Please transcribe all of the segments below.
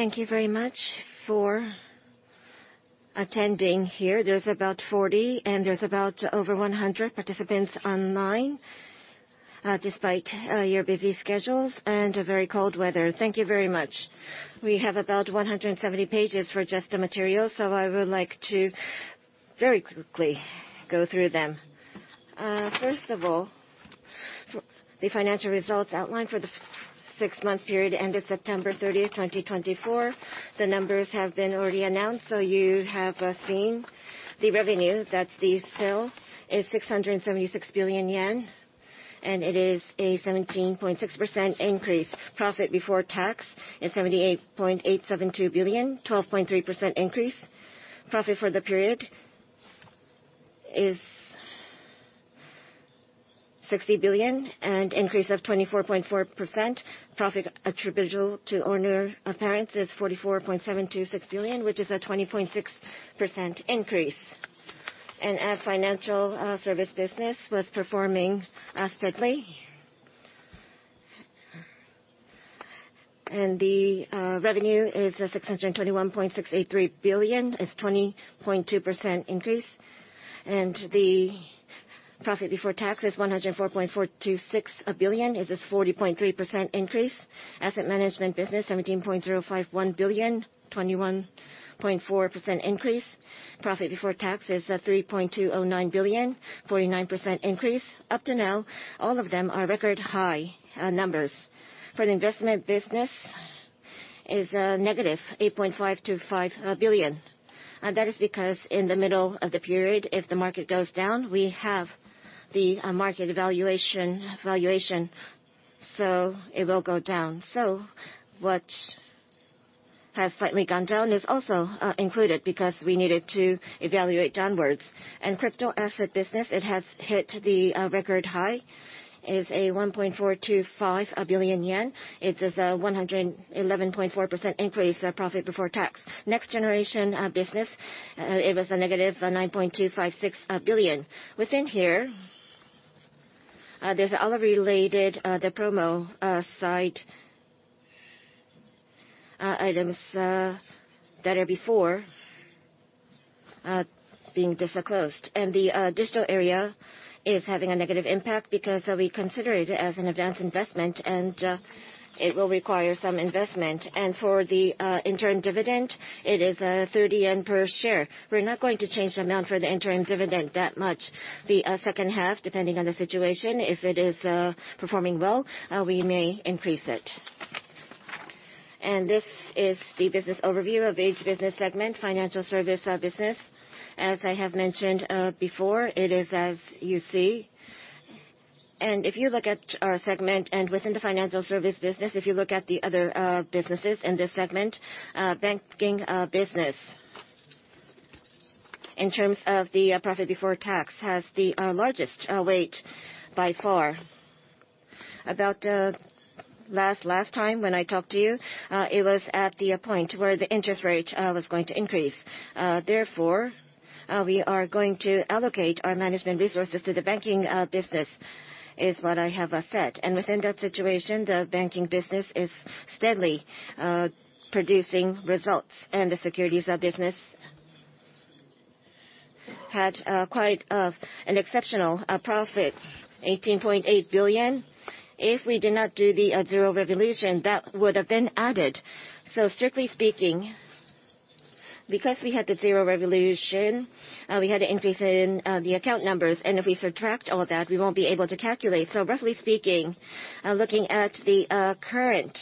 Thank you very much for attending here. There's about 40 and there's about over 100 participants online despite your busy schedules and very cold weather. Thank you very much. We have about 170 pages for just the material. So I would like to very quickly go through them. First of all, the financial results outlined for the six-month period ended September 30, 2024. The numbers have been already announced. So you have seen the revenue, that's the sales, is 676 billion yen and it is a 17.6% increase. Profit before tax is 78.872 billion, 12.3% increase. Profit for the period is 60 billion and increase of 24.4%. Profit attributable to owners of the parent is 44.726 billion which is a 20.6% increase. Our financial service business was performing strongly and the revenue is 621.683 billion, a 20% increase. The profit before tax is 104.446 billion. This is 40.3% increase. Asset management business 17.051 billion. 21.4% increase. Profit before tax is 3.209 billion. 49% increase. Up to now all of them are record high numbers. For the investment business is negative 8.5-5 billion. That is because in the middle of the period if the market goes down, we have the mark-to-market valuation so it will go down. So what has slightly gone down is also included because we needed to evaluate downwards. And crypto-asset business it has hit the record high is 1.4-5 billion yen. It is 111.4% increase. Profit before tax. Next generation business it was a negative 9.256 billion. Within here there's all of the related pro forma items that are before. Being. Disclosed and the digital area is having a negative impact because we consider it as an advanced investment and it will require some investment. For the interim dividend it is 30 yen per share. We're not going to change the amount for the interim dividend that much. The second half depending on the situation, if it is performing well, we may increase it. This is the business overview of each business segment. Financial service business as I have mentioned before, it is as you see and if you look at our segment and within the financial service business, if you look at the other businesses in this segment, banking business in terms of the profit before tax has the largest weight by far. Last time when I talked to you, it was at the point where the interest rate was going to increase. Therefore, we are going to allocate our management resources to the banking business, is what I have said. And within that situation, the banking business is steadily producing results and the securities business had quite an exceptional profit, 18.8 billion. If we did not do the Zero Revolution, that would have been added. So strictly speaking, because we had the Zero Revolution, we had to increase in the account numbers. And if we subtract all that, we won't be able to calculate. So roughly speaking, looking at the current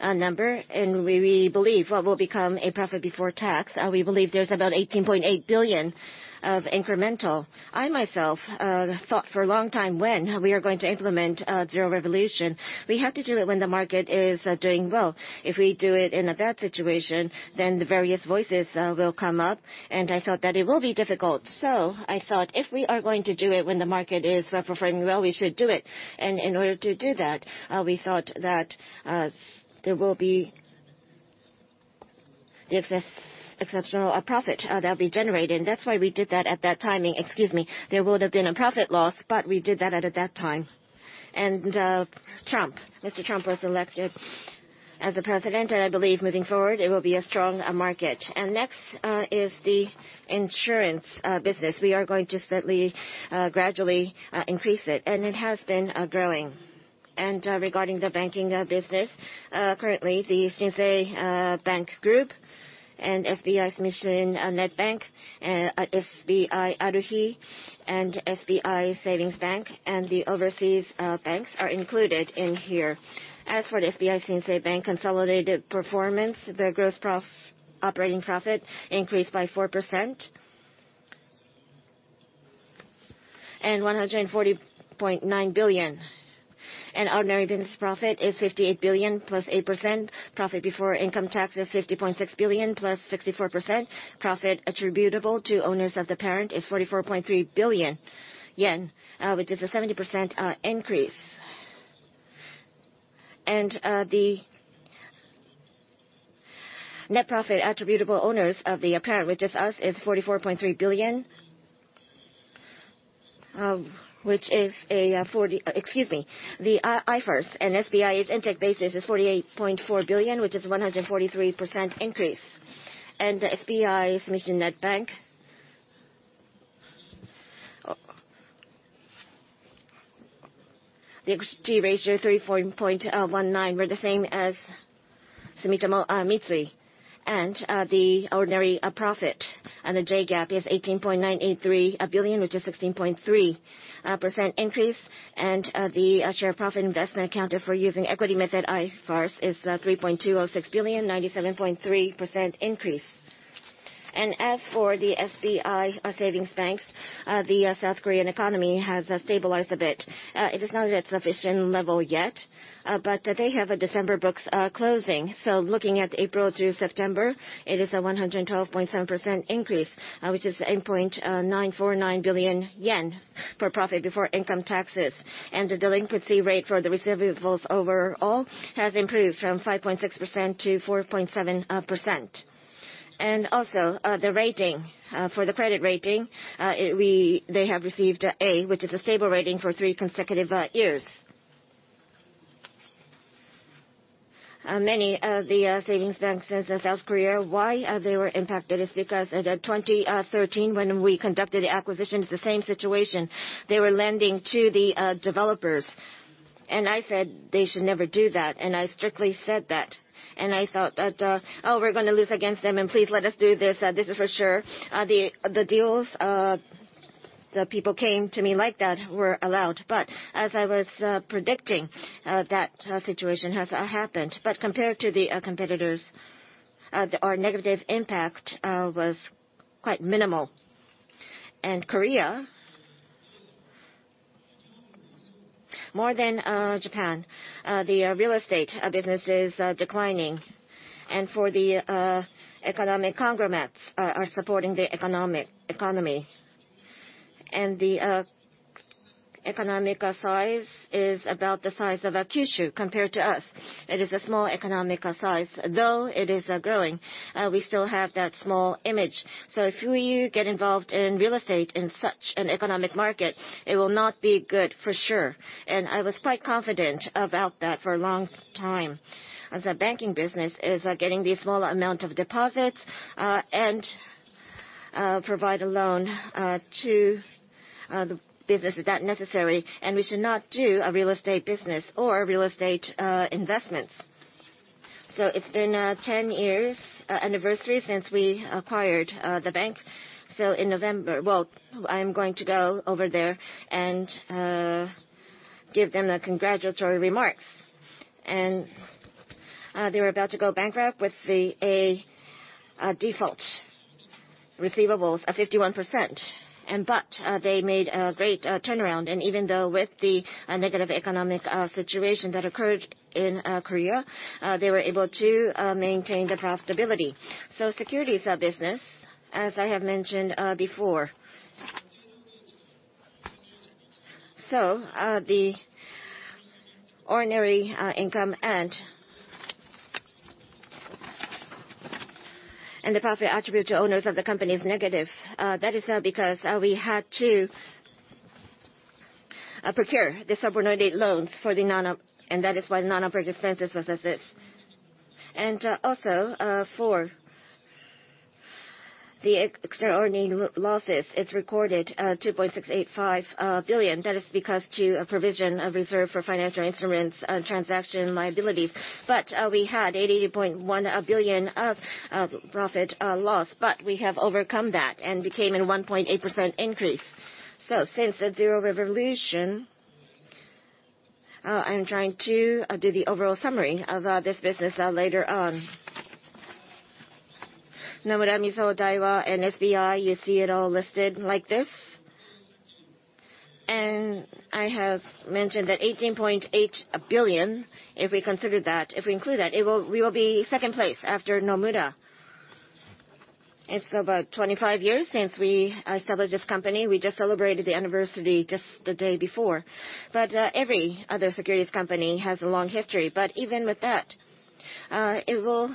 number and we believe what will become a profit before tax, we believe there's about 18.8 billion of incremental. I myself thought for a long time when we are going to implement Zero Revolution, we have to do it when the market is doing well. If we do it in a bad situation, then the various voices will come up. I thought that it will be difficult, so I thought if we are going to do it when the market is performing well, we should do it. And in order to do that, we thought that there will be the exceptional profit that will be generated. And that's why we did that. At that timing, excuse me, there would have been a profit loss. But we did that at that time. And Trump, Mr. Trump was elected as the President and I believe moving forward it will be a strong market. And next is the insurance business. We are going to slightly gradually increase it and it has been growing. And regarding the banking business, currently the Sensei Bank Group and SBI Sumishin Net Bank, SBI ARUHI and SBI Savings Bank and the overseas banks are included in here. As for the SBI Shinsei Bank consolidated performance, the gross profit operating profit increased by 4% and 140.9 billion. Ordinary business profit is 58 billion +8%. Profit before income tax is 50.6 billion +64%. Profit attributable to owners of the parent is 44.3 billion yen which is a 70% increase. The net profit attributable owners of the parent which is us is 44.3 billion which is a 40. Excuse me. The IFRS and SBI is 48.4 billion which is 143% increase. The SBI Sumishin Net Bank. The OHR 34.19% were the same as Sumitomo Mitsui and the ordinary profit and the J-GAAP is 18.983 billion which is 16.3% increase. The share profit investment accounted for using equity method IFRS is 3.206 billion, 97.3% increase. As for the SBI Savings Bank, the South Korean economy has stabilized a bit. It is not at sufficient level yet, but they have a December books closing. So looking at April through September, it is a 112.7% increase which is 8.949 billion yen for profit before income taxes. And the delinquency rate for the receivables overall has improved from 5.6% to 4.7%. And also the rating for the credit rating we have received, which is a stable rating for three consecutive years. Many of the savings banks in South Korea why they were impacted is because 2013, when we conducted the acquisitions the same situation they were lending to the developers. And I said they should never do that. And I strictly said that. And I thought that oh, we're going to lose against them and please let us do this. This is for sure the deals the people came to me like that were allowed. But as I was predicting, that situation has happened. But compared to the competitors, our negative impact was quite minimal. And in Korea more than Japan, the real estate business is declining. And the economic conglomerates are supporting the economy. And the economic size is about the size of a Kyushu compared to us. It is a small economic size, though it is growing. We still have that small image. So if we get involved in real estate in such an economic market, it will not be good for sure. And I was quite confident about that for a long time. As the banking business is getting smaller amounts of deposits and providing loans to the businesses that are necessary. And we should not do a real estate business or real estate investments. So it's been 10 years anniversary since we acquired the bank. So in November. I'm going to go over there. And. Give them the congratulatory remarks, and they were about to go bankrupt with a default receivables of 51%. But they made a great turnaround, and even though with the negative economic situation that occurred in Korea, they were able to maintain the profitability. So securities business, as I have mentioned before. So the ordinary income and the profit attributable to owners of the company is negative. That is because we had to procure the subordinated non-bank. And that is why non- operating expenses was as this. And also for the extraordinary losses it's recorded 2.685 billion. That is because to a provision of reserve for financial instruments transaction liabilities. But we had 82.1 billion of profit loss. But we have overcome that and became a 1.8% increase. So since the Zero Revolution I'm trying to do the overall summary of this business. Later on Nomura, Mizuho, Daiwa and SBI, you see it all listed like this. And I have mentioned that 18.8 billion JPY. If we consider that if we include that, we will be second place after Nomura. It's about 25 years since we established this company. We just celebrated the anniversary just the day before. But every other securities company has a long history. But even with that, it will.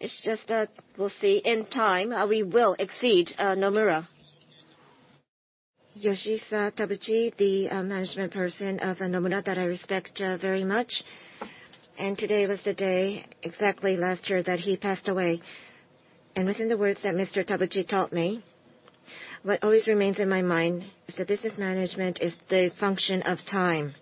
It's just. We'll see in time we will exceed Nomura Yoshihisa Tabuchi, the management person of Nomura that I respect very much. And today was the day exactly last year that he passed away. And within the words that Mr. Tabuchi taught me, what always remains in my mind. So business management is the function of time.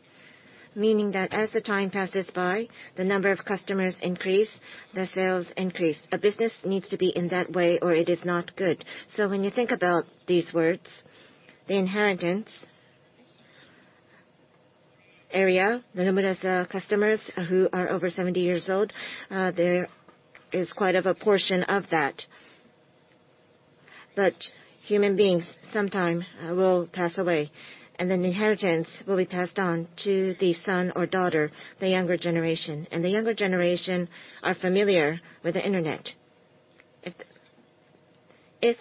Meaning that as the time passes by, the number of customers increase, the sales increase. A business needs to be in that way or it is not good. So when you think about these words, the inheritance area, the number of customers who are over 70 years old, there is quite a portion of that. But human beings sometimes will pass away and then inheritance will be passed on to the son or daughter. The younger generation and the younger generation are familiar with the Internet. If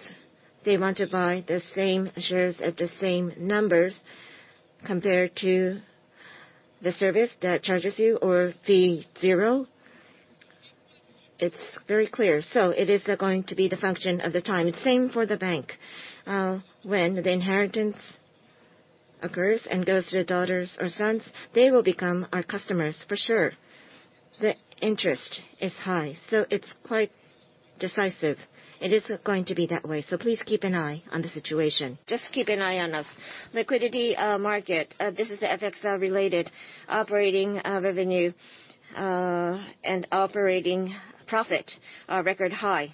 they want to buy the same shares at the same numbers compared to the service that charges you or fee zero, it's very clear. So it is going to be the function of the time. It's same for the bank. When the inheritance occurs and goes to daughters or sons, they will become our customers for sure. The interest is high, so it's quite decisive. It is going to be that way. So please keep an eye on the situation. Just keep an eye on us. SBI Liquidity Market. This is FX-related. Operating revenue and operating profit are record high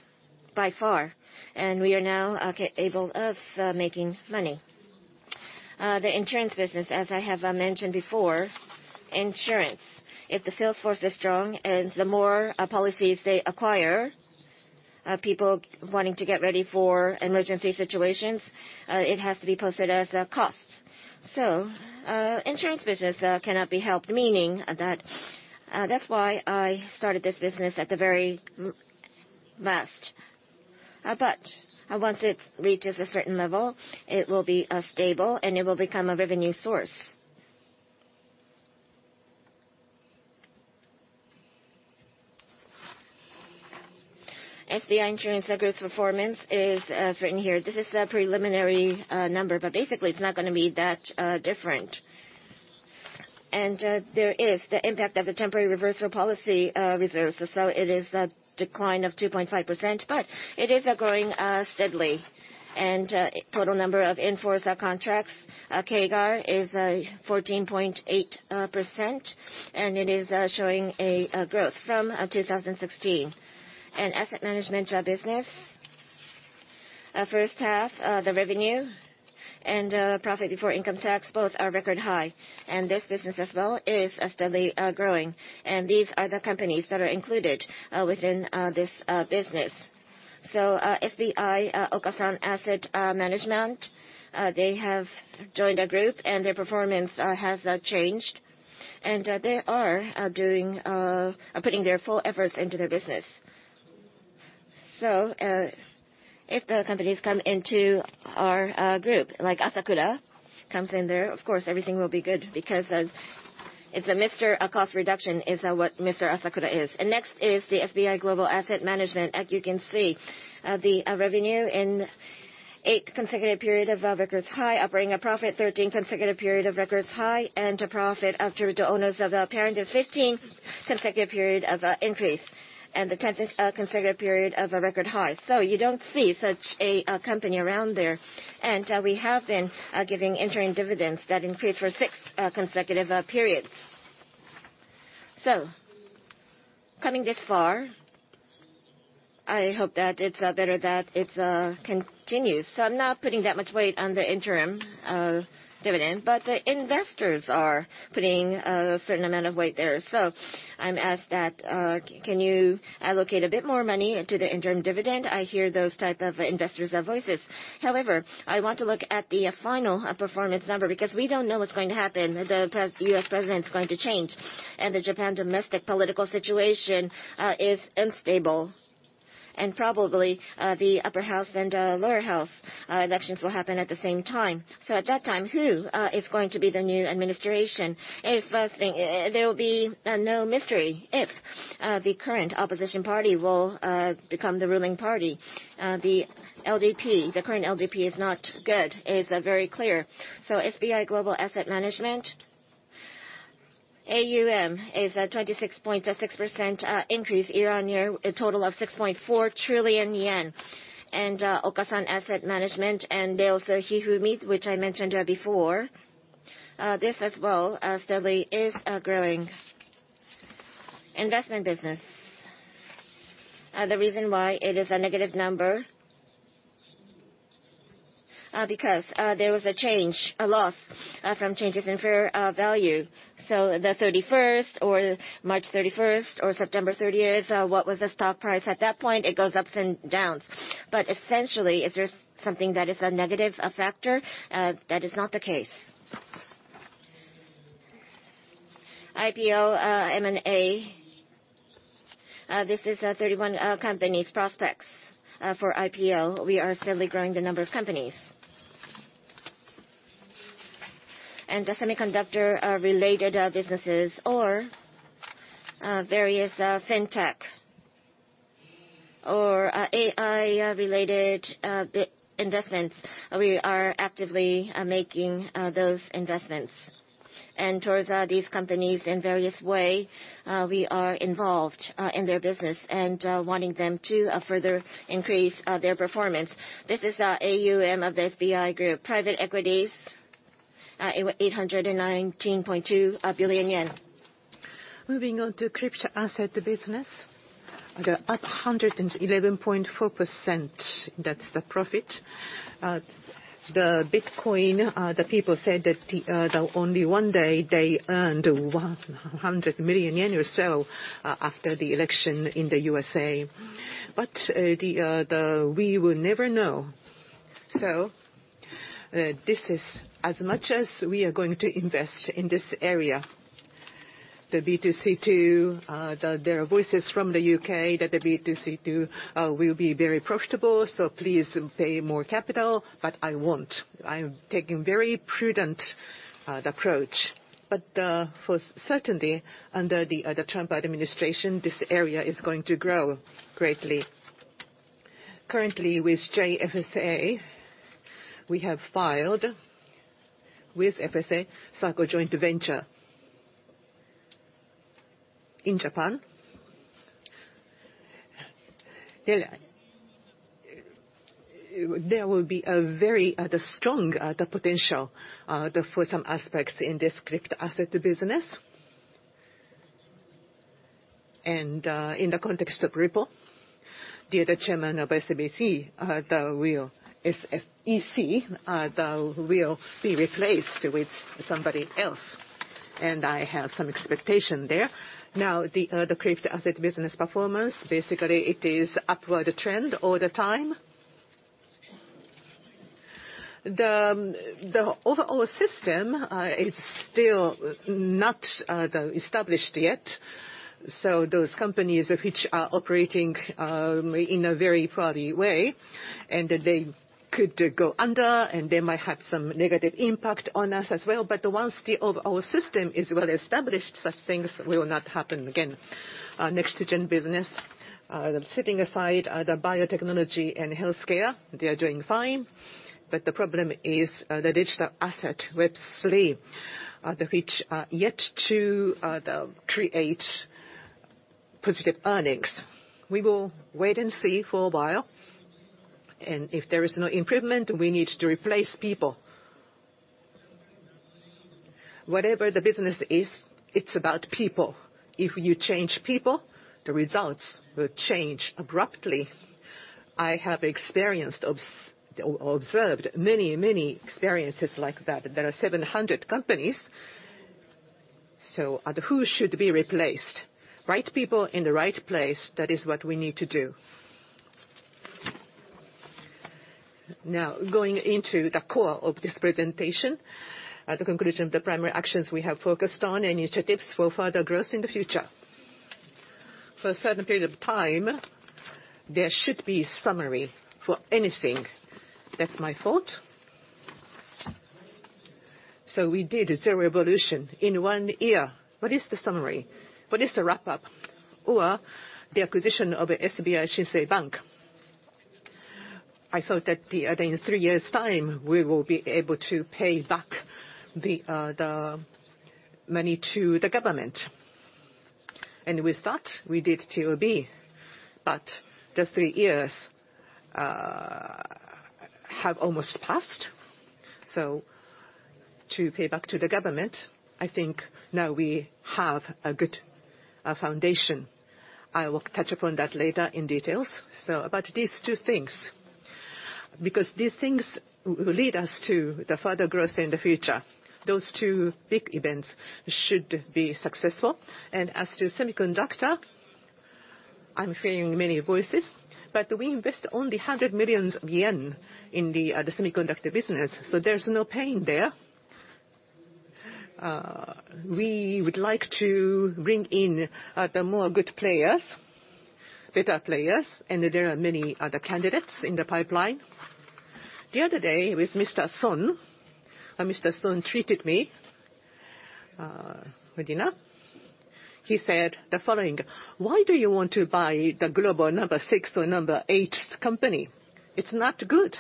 by far. And we are now capable of making money. The insurance business, as I have mentioned before, insurance if the sales force is strong and the more policies they acquire, people wanting to get ready for emergency situations, it has to be posted as a cost. So insurance business cannot be helped. Meaning that that's why I started this business at the very last. But once it reaches a certain level, it will be stable and it will become a revenue source. SBI Insurance Group's performance is written here. This is the preliminary number. But basically it's not going to be that different. And there is the impact of the temporary reversal of policy reserves. It is a decline of 2.5% but it is growing steadily. The total number of in-force contracts CAGR is 14.8% and it is showing a growth from 2016. In the asset management business first half the revenue and profit before income tax both are record high. This business as well is steadily growing. These are the companies that are included within this business. SBI Okasan Asset Management they have joined a group and their performance has changed and they are putting their full efforts into their business. If the companies come into our group like Asakura comes in there, of course everything will be good because it's cost reduction is what Mr. Asakura is. Next is the SBI Global Asset Management. As you can see, the revenue in eight consecutive periods of record high, operating profit 13 consecutive periods of record high, and a profit after the owners of the parent 15 consecutive periods of increase and the 10th consecutive period of a record high. You don't see such a company around there. We have been giving interim dividends that increase for six consecutive periods. Coming this far, I hope that it continues. I'm not putting that much weight on the interim dividend, but the investors are putting a certain amount of weight there. I'm asked that, can you allocate a bit more money to the interim dividend? I hear those types of investors' voices. However, I want to look at the final performance number because we don't know what's going to happen. The US President is going to change and the Japan domestic political situation is unstable and probably the upper house and lower house elections will happen at the same time. So at that time who is going to be the new administration? If there will be no mystery if the current opposition party will become the ruling party, the LDP. The current LDP is not good is very clear. So SBI Global Asset Management AUM is a 26.6% increase year on year a total of 6.4 trillion yen. And Okasan Asset Management, which I mentioned before this as well, steadily is growing investment business. The reason why it is a negative number because there was a change a loss from changes in fair value. So the 31st or March 31st or September 30th what was the stock price at that point? It goes ups and downs but essentially something that is a negative factor that is not the case. IPO, M&A, this is our company's prospects for IPO. We are steadily growing the number of companies and the semiconductor-related businesses or various fintechs or AI-related investments. We are actively making those investments and towards these companies in various ways we are involved in their business and wanting them to further increase their performance. This is AUM of the SBI Group Private Equity 819.2 billion yen. Moving on to crypto asset business the up 111.4%, that's the profit, the Bitcoin the people said that only one day they earned 100 million yen or so after the election in the USA but we will never know. So this is as much as we are going to invest in this area, the B2C2 there are voices from the UK that the B2C2 will be very profitable so please pay more capital. But I want I am taking very prudent approach but for certainty under the Trump administration this area is going to grow greatly. Currently with FSA we have filed with FSA Cboe joint venture in Japan. There will be a very strong potential for some aspects in this crypto asset business and in the context of Ripple, the other chairman of SBI, the real CEO though will be replaced with somebody else and I have some expectation there. Now the crypto asset business performance basically it is upward trend all the time. The overall system is still not established yet so those companies which are operating in a very party way and that they could go under and they might have some negative impact on us as well but the ones of our system is well established such things will not happen again. Next-gen business setting aside the biotechnology and health care they are doing fine but the problem is the digital asset Web3 which yet to create positive earnings. We will wait and see for a while, and if there is no improvement, we need to replace people. Whatever the business is, it's about people. If you change people, the results will change abruptly. I have experienced observed many many experiences like that. There are 700 companies, so who should be replaced, right? People in the right place. That is what we need to do now. Going into the core of this presentation, at the conclusion of the primary actions, we have focused on initiatives for further growth in the future. For a certain period of time, there should be summary for anything. That's my thought. So we did Zero Revolution in one year. What is the summary? What is the wrap up or the acquisition of SBI Shinsei Bank? I thought that in three years time we will be able to pay back the money to the government and with that we did TOB but the three. Years. have almost passed. So to pay back to the government, I think now we have a good foundation. I will touch upon that later in details. So about these two things because these things will lead us to the further growth in the future. Those two big events should be successful. And as to semiconductor, I'm hearing many voices. But we invest only 100 million yen in the semiconductor business. So there's no pain there. We would like to bring in the more good players, better players, and there are many other candidates in the pipeline. The other day with Mr. Son, Mr. Son treated me. He said the following. Why do you want to buy the global number six or number eight company? It's not good.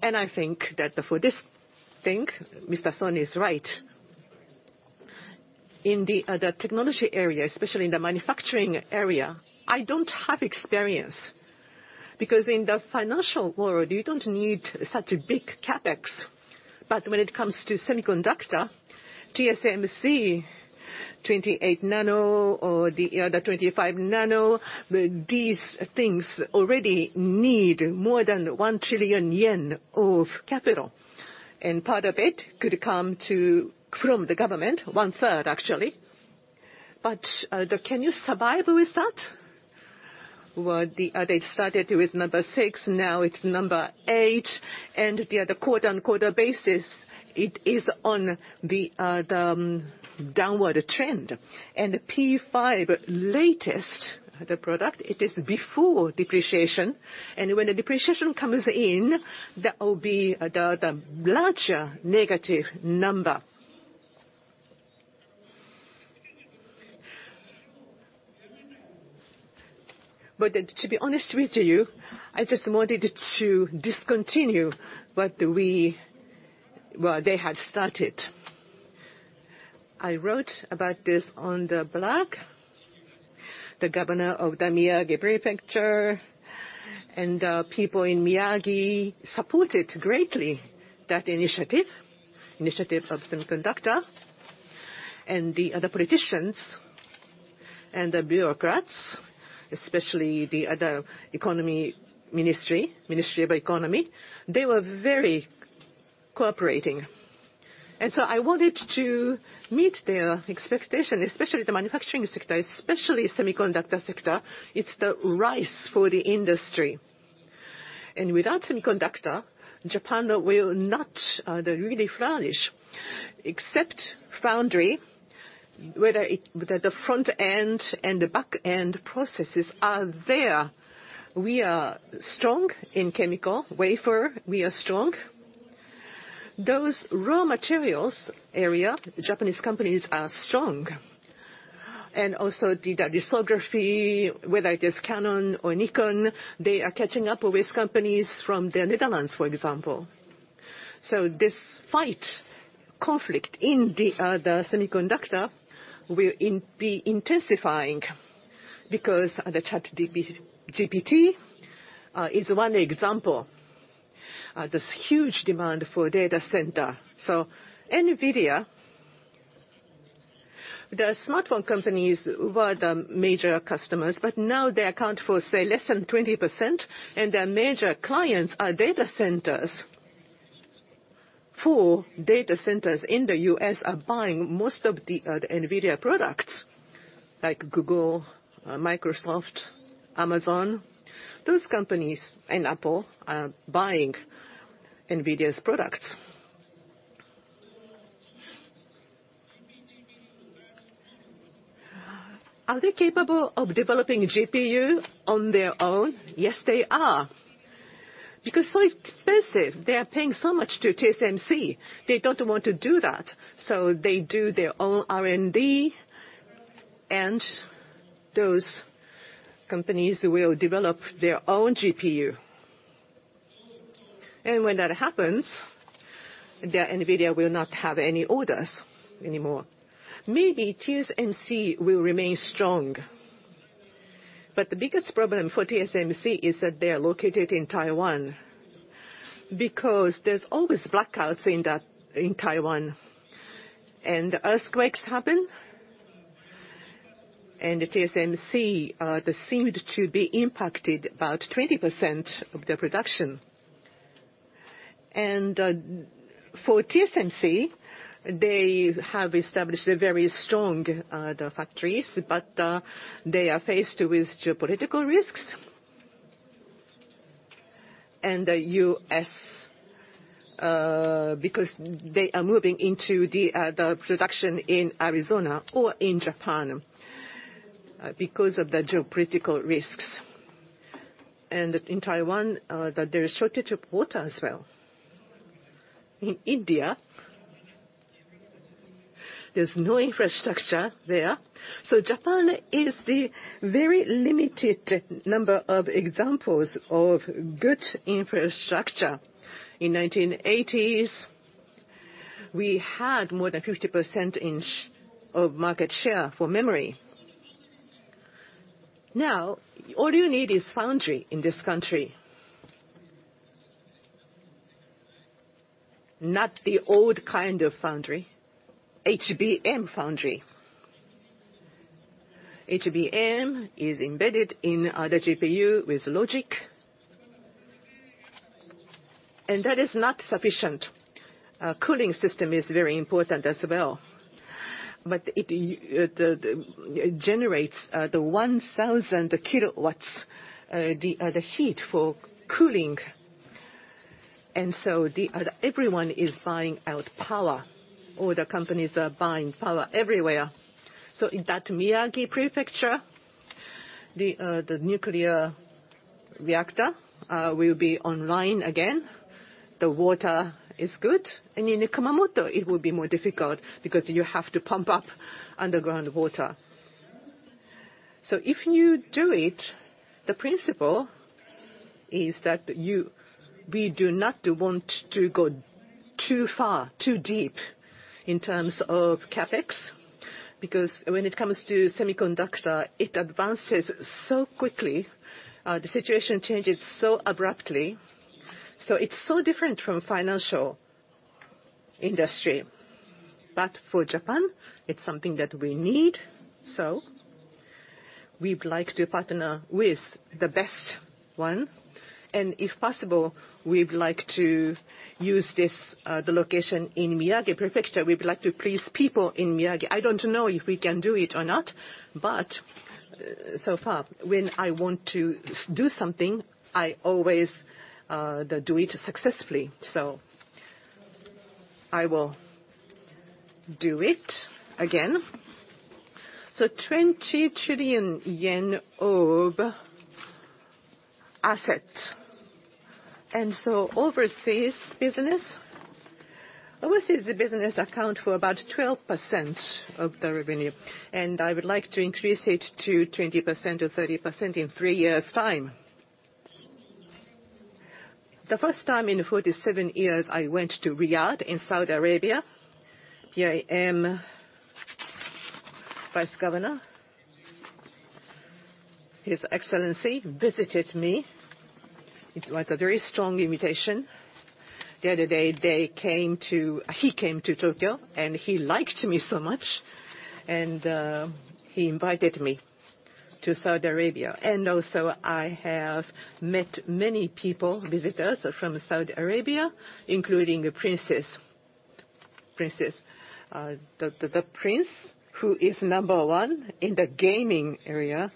And I think that for this thing, Mr. Son is right. In the technology area, especially in the manufacturing area, I don't have experience because in the financial world you don't need such a big CapEx for, but when it comes to semiconductor, TSMC 28 nano or the other 25 nano, these things already need more than 1 trillion yen of capital. And part of it could come from the government. One third actually. But can you survive with that? What the other started with number six, now it's number eight and the other quarter-on-quarter basis, it is on the downward trend. And the P5 latest, the product it is before depreciation. And when the depreciation comes in, that will be the larger negative number. But to be honest with you, I just wanted to discontinue what they had started. I wrote about this on the blog. The governor of the Miyagi Prefecture and people in Miyagi supported greatly that initiative, initiative of semiconductor. The other politicians and the bureaucrats, especially the other Economy Ministry, Ministry of Economy, they were very cooperating, so I wanted to meet their expectation, especially the manufacturing sector, especially semiconductor sector, it's the rise for the industry, and without semiconductor, Japan will not really flourish, except foundry. Whether that the front end and the back end processes are there. We are strong in chemical wafer. We are strong those raw materials area Japanese companies are strong, and also the lithography, whether it is Canon or Nikon, they are catching up with companies from the Netherlands, for example, so despite conflict in the semiconductor will be intensifying because the ChatGPT is one example this huge demand for data center, so Nvidia, the smartphone companies were the major customers. But now they account for, say, less than 20%. And their major clients are data centers. Four data centers in the U.S. are buying most of the Nvidia products. Like Google, Microsoft, Amazon, those companies and Apple are buying Nvidia's products. Are they capable of developing GPU on their own? Yes, they are. Because so expensive. They are paying so much to TSMC, they don't want to do that. So they do their own R&D and those companies will develop their own GPU. And when that happens, Nvidia will not have any orders anymore. Maybe TSMC will remain strong. But the biggest problem for TSMC is that they are located in Taiwan. Because there's always blackouts in Taiwan and earthquakes happen. And TSMC seemed to be impacted about 20% of the production. And for TSMC they have established a very strong factories. But they are faced with geopolitical risks. The US [is facing them because they are moving into the production in Arizona or in Japan because of the geopolitical risks. In Taiwan there is shortage of water as well. In India there's no infrastructure there. Japan is the very limited number of examples of good infrastructure. In the 1980s we had more than 50% in market share for memory. Now all you need is foundry in this country. Not the old kind of foundry, HBM. Foundry. HBM is embedded in other GPU with logic and that is not sufficient. Cooling system is very important as well. But it generates the 1000 kW the heat for cooling. Everyone is buying out power. All the companies are buying power everywhere. In that Miyagi Prefecture, the nuclear reactor will be online again. The water is good. And in Kumamoto, it will be more difficult because you have to pump up underground water. So if you do it, the principle is that we do not want to go too far, too deep in terms of CapEx. Because when it comes to semiconductor, it advances so quickly, the situation changes so abruptly. So it's so different from financial industry. But for Japan, it's something that we need. So we'd like to partner with the best one. And if possible, we'd like to use this, the location in Miyagi Prefecture. We would like to please people in Miyagi. I don't know if we can do it or not. But so far when I want to do something, I always do it successfully. So I will do it again. So JPY 20 trillion OB asset. And so overseas business. Overseas business account for about 12% of the revenue. I would like to increase it to 20% or 30% in three years' time. The first time in 47 years I went to Riyadh in Saudi Arabia. Here I am vice governor. His Excellency visited me. It was a very strong invitation. The other day they came to. He came to Tokyo and he liked me so much. And he invited me to Saudi Arabia. And also I have met many people, visitors from Saudi Arabia, including Princess. Princess, the prince who is number one in the gaming area.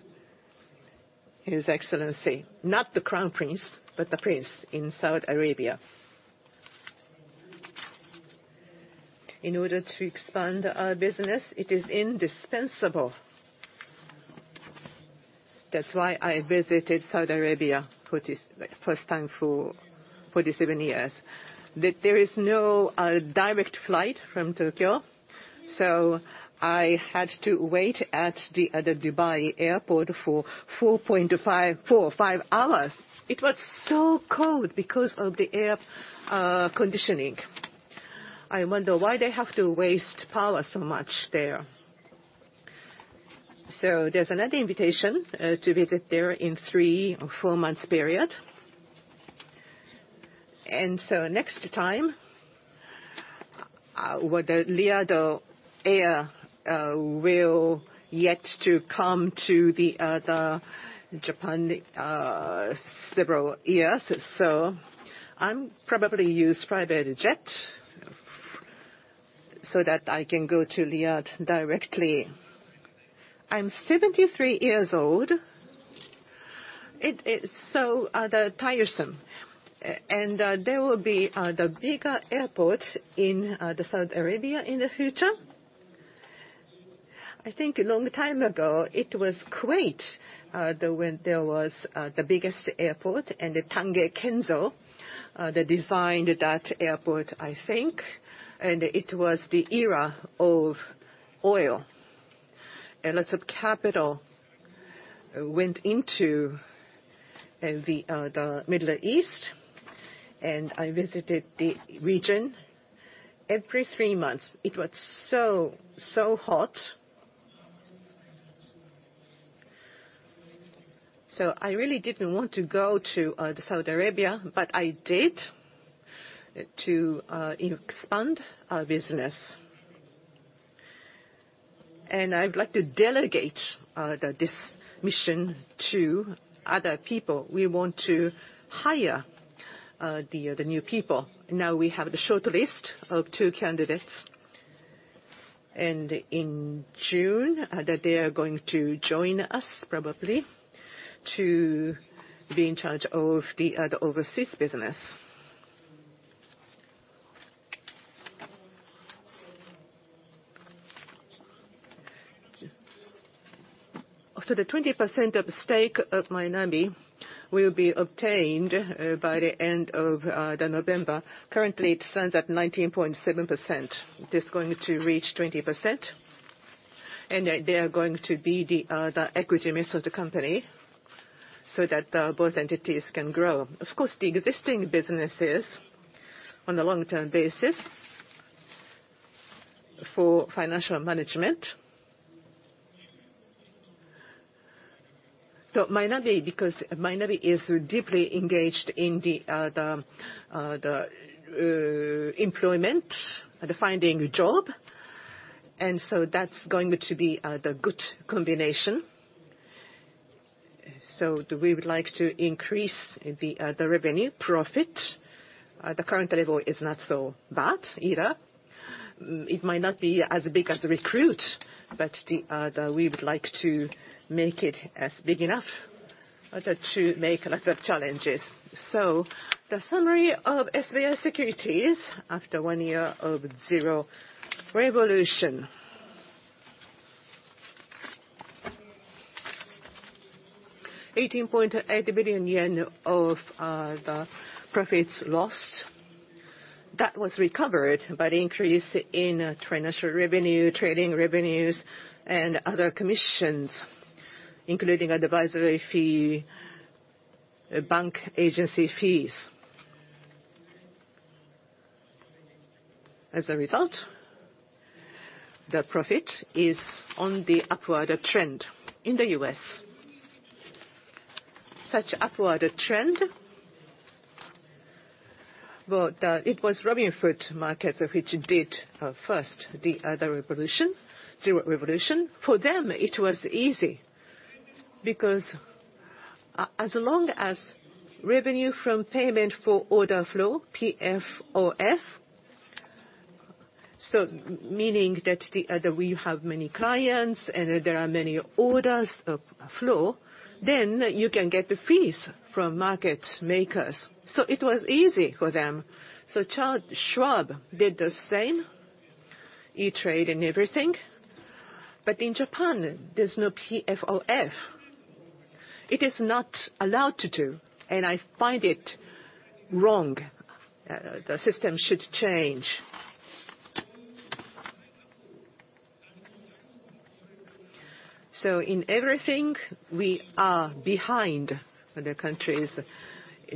His Excellency, not the Crown Prince, but the Prince in Saudi Arabia. In order to expand our business, it is indispensable. That's why I visited Saudi Arabia first time for 47 years. There is no direct flight from Tokyo. So I had to wait at the other Dubai airport for 4 hours 45 minutes. It was so cold because of the air conditioning. I wonder why they have to waste power so much there. So there's another invitation to visit there in three or four months period. And so next time Riyadh Air will yet to come to the other Japan several years. So I'm probably use private jet so that I can go to Riyadh directly. I'm 73 years old. It is so tiresome. And there will be the bigger airport in Saudi Arabia in the future. I think a long time ago it was Kuwait when there was the biggest airport. And Kenzo Tange they designed that airport, I think. And it was the era of oil. A lot of capital went into the Middle East and I visited the region every three months. It was so, so hot. I really didn't want to go to Saudi Arabia, but I did to expand business. And I'd like to delegate this mission to other people. We want to hire the new people. Now we have the short list of two candidates and in June that they are going to join us probably to be in charge of the overseas business. So the 20% stake of Mynavi will be obtained by the end of November. Currently it stands at 19.7%. This is going to reach 20% and they are going to be the equity mix of the company so that both entities can grow of course the existing businesses on a long-term basis for financial management. So Mynavi, because Mynavi is deeply engaged. In the. Employment, the finding job. And so that's going to be the good combination. So do we would like to increase the revenue profit? The current level is not so bad either. It might not be as big as the Recruit but we would like to make it as big enough to make lots of challenges. So the summary of SBI Securities after one year of the Zero Revolution. 18.8 billion yen of the profits lost that was recovered by the increase in financial revenue trading revenues and other commissions including advisory fee, bank agency fees. As a result, the profit is on the upward trend in the U.S. Such upward trend. But it was Robinhood Markets which did first the zero revolution. For them it was easy because as long as revenue from payment for order flow PFOF so meaning that we have many clients and there are many order flows. Then you can get the fees from market makers. So it was easy for them. So Charles Schwab did the same E*TRADE and everything. But in Japan, there's no PFOF. It is not allowed to do. And I find it wrong. The system should change. So in everything we are behind the countries.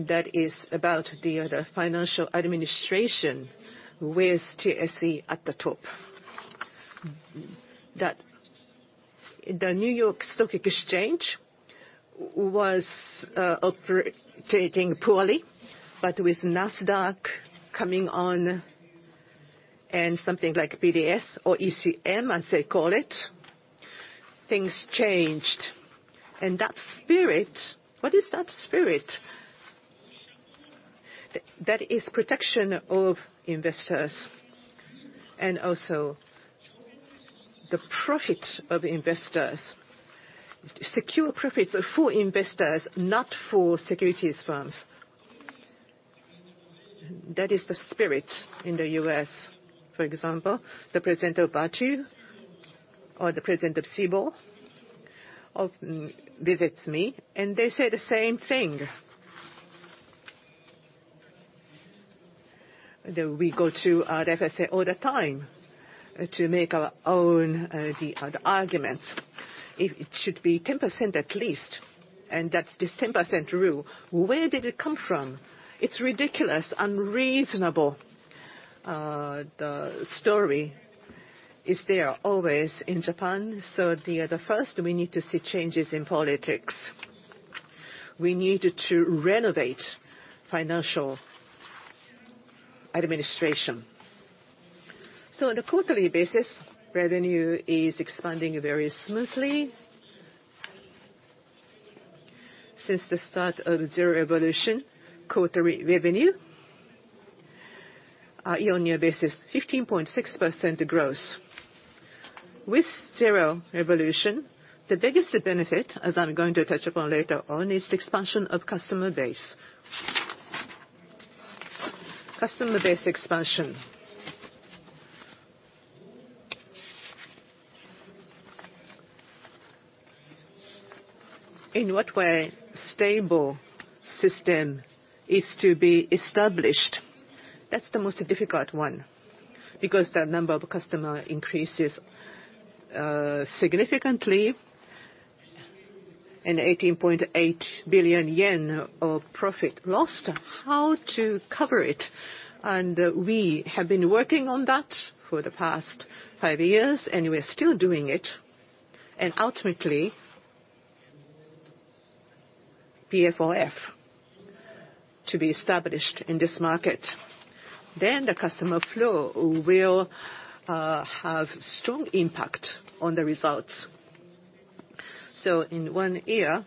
That is about the financial administration. With TSE at the top that the New York Stock Exchange was operating poorly. But with NASDAQ coming on and something like PTS or ECN as they call it, things changed. And that spirit? What is that spirit? That is protection of investors. And also the profit of investors. Secure profit for investors, not for securities firms. That is the spirit. In the US for example, the president of BATS or the president of Cboe visits me and they say the same thing. We go to the FSA all the time to make our own arguments. It should be 10% at least. And that's this 10% rule. Where did it come from? It's ridiculous, unreasonable. The story is there always in Japan. So the first we need to see changes in politics. We need to renovate financial administration. So on a quarterly basis, revenue is expanding very smoothly since the start of Zero Revolution. Quarterly revenue year on year basis, 15.6% growth with Zero Revolution. The biggest benefit, as I'm going to touch upon later on, is the expansion of customer base. Customer base expansion. In what way stable system is to be established. That's the most difficult one because the number of customer increases significantly, and 18.8 billion yen of profit lost. How to cover it? We have been working on that for the past five years, and we're still doing it. Ultimately PFOF to be established in this market, then the customer flow will have strong impact on the results. In one year,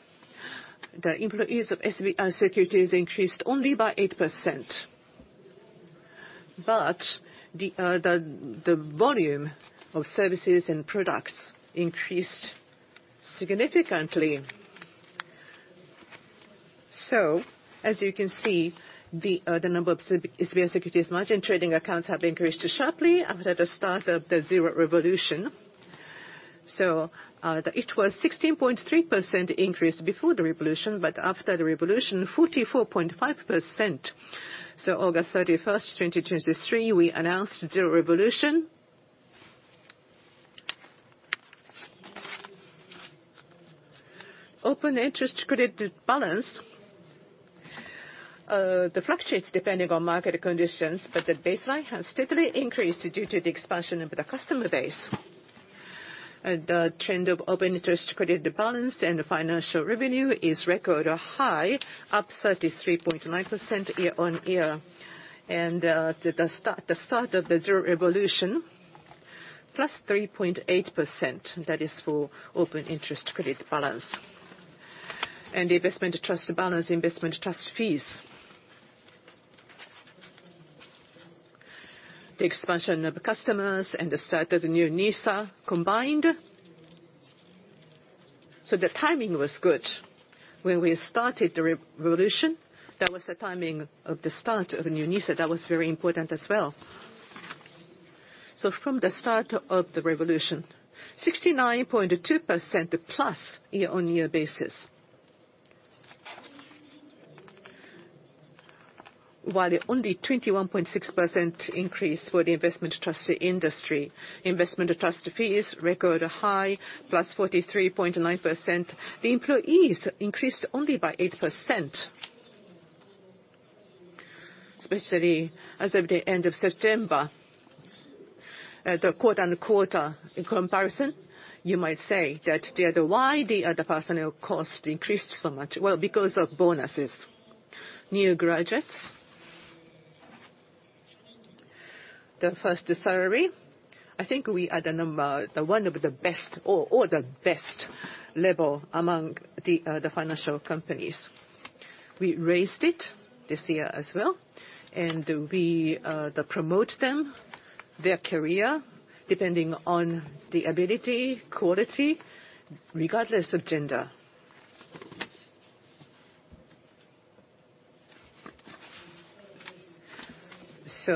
the employees of SBI Securities increased only by 8%. But the volume of services and products increased significantly. As you can see, the number of SBI Securities margin trading accounts have increased sharply after the start of the Zero Revolution. It was 16.3% increase before the revolution. But after the revolution 44.5%. On August 31, 2023, we announced Zero Revolution. Open interest credit balance fluctuates depending on market conditions. But the baseline has steadily increased due to the expansion of the customer base. The trend of open interest credit balance and financial revenue is record high, up 33.9% year on year, and at the start of the Zero Revolution plus 3.8%. That is for open interest credit balance and investment trust balance. Investment trust fees, the expansion of customers and the start of the new NISA combined. The timing was good when we started the revolution. That was the timing of the start of new NISA that was very important as well. From the start of the revolution 69.2% plus year on year basis. While only 21.6% increase for the investment trust industry. Investment trust fees record high plus 43.9%; the employees increased only by 8%. Especially. As of the end of September. The quote unquote comparison. You might say that why the other personnel cost increased so much? Well, because of bonuses, new graduates, the first salary. I think we are the number one of the best or the best level among the financial companies. We raised it this year as well. We promote them their career depending on the ability, quality, regardless of gender.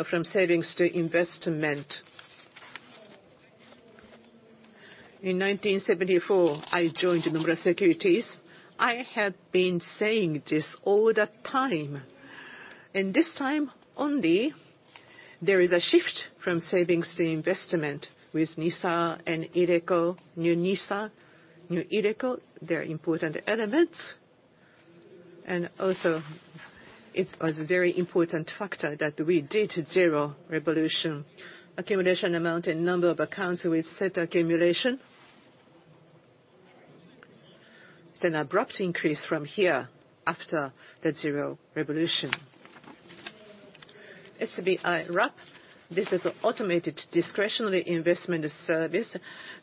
From savings to investment, in 1974 I joined Nomura Securities. I have been saying this all the time and this time only there is a shift from savings to investment with NISA and iDeCo. New NISA, new iDeCo, they're important elements. Also it was a very important factor that we did Zero Revolution accumulation amount and number of accounts with set accumulation. Then abrupt increase from here after the Zero Revolution. SBI Wrap, this is an automated discretionary investment service [that]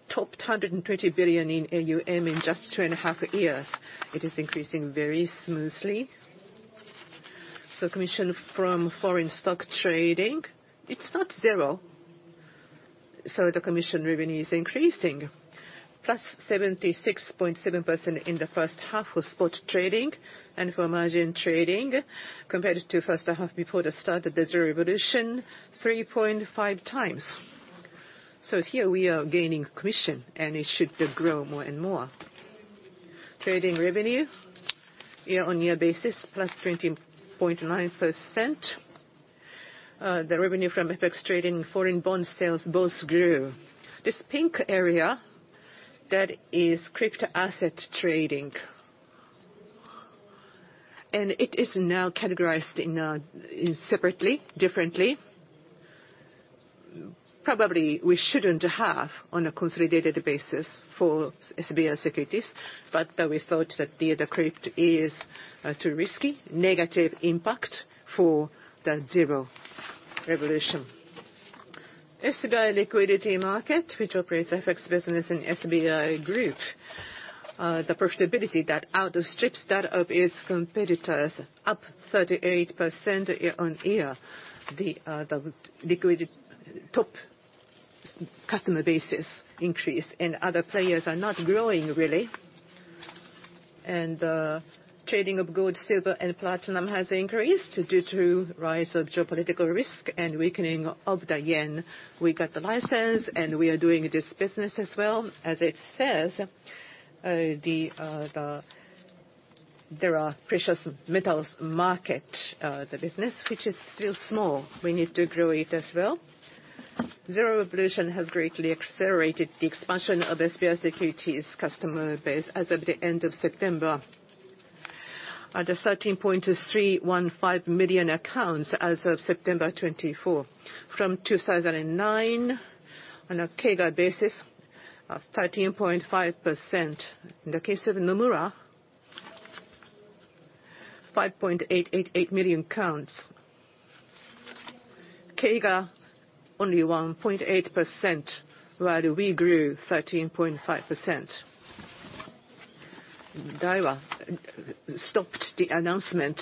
topped 220 billion in AUM in just two and a half years. It is increasing very smoothly. Commission from foreign stock trading, it's not zero. So the commission revenue is increasing +76.7% in the first half [for] spot trading and for margin trading compared to first half before the start of this revolution, 3.5 times. So here we are gaining commission and it should grow more and more. Trading revenue year-on-year basis +20.9%. The revenue from FX trading [and] foreign bond sales both grew. This pink area, i.e., crypto asset trading, and it is now categorized in separately, differently. Probably we shouldn't have [it] on a consolidated basis for SBI Securities, but we thought that the crypto is too risky. Negative impact for the Zero Revolution SBI Liquidity Market which operates FX business in SBI Group the profitability that outstrips that of its competitors up 38% on year. The liquid top customer basis increase and other players are not growing really. Trading of gold, silver and platinum has increased due to rise of geopolitical risk and weakening of the yen. We got the license and we are doing this business as well as it's says the there are precious metals market the business which is still small, we need to grow it as well. Zero Revolution has greatly accelerated the expansion of SBI Securities customer base. As of the end of September the 13.2315 million accounts as of September 24th from 2009 on a CAGR basis of 13.5%. In the case of Nomura, 5.888 million accounts CAGR only 1.8% while we grew 13.5%.Daiwa stopped the announcement,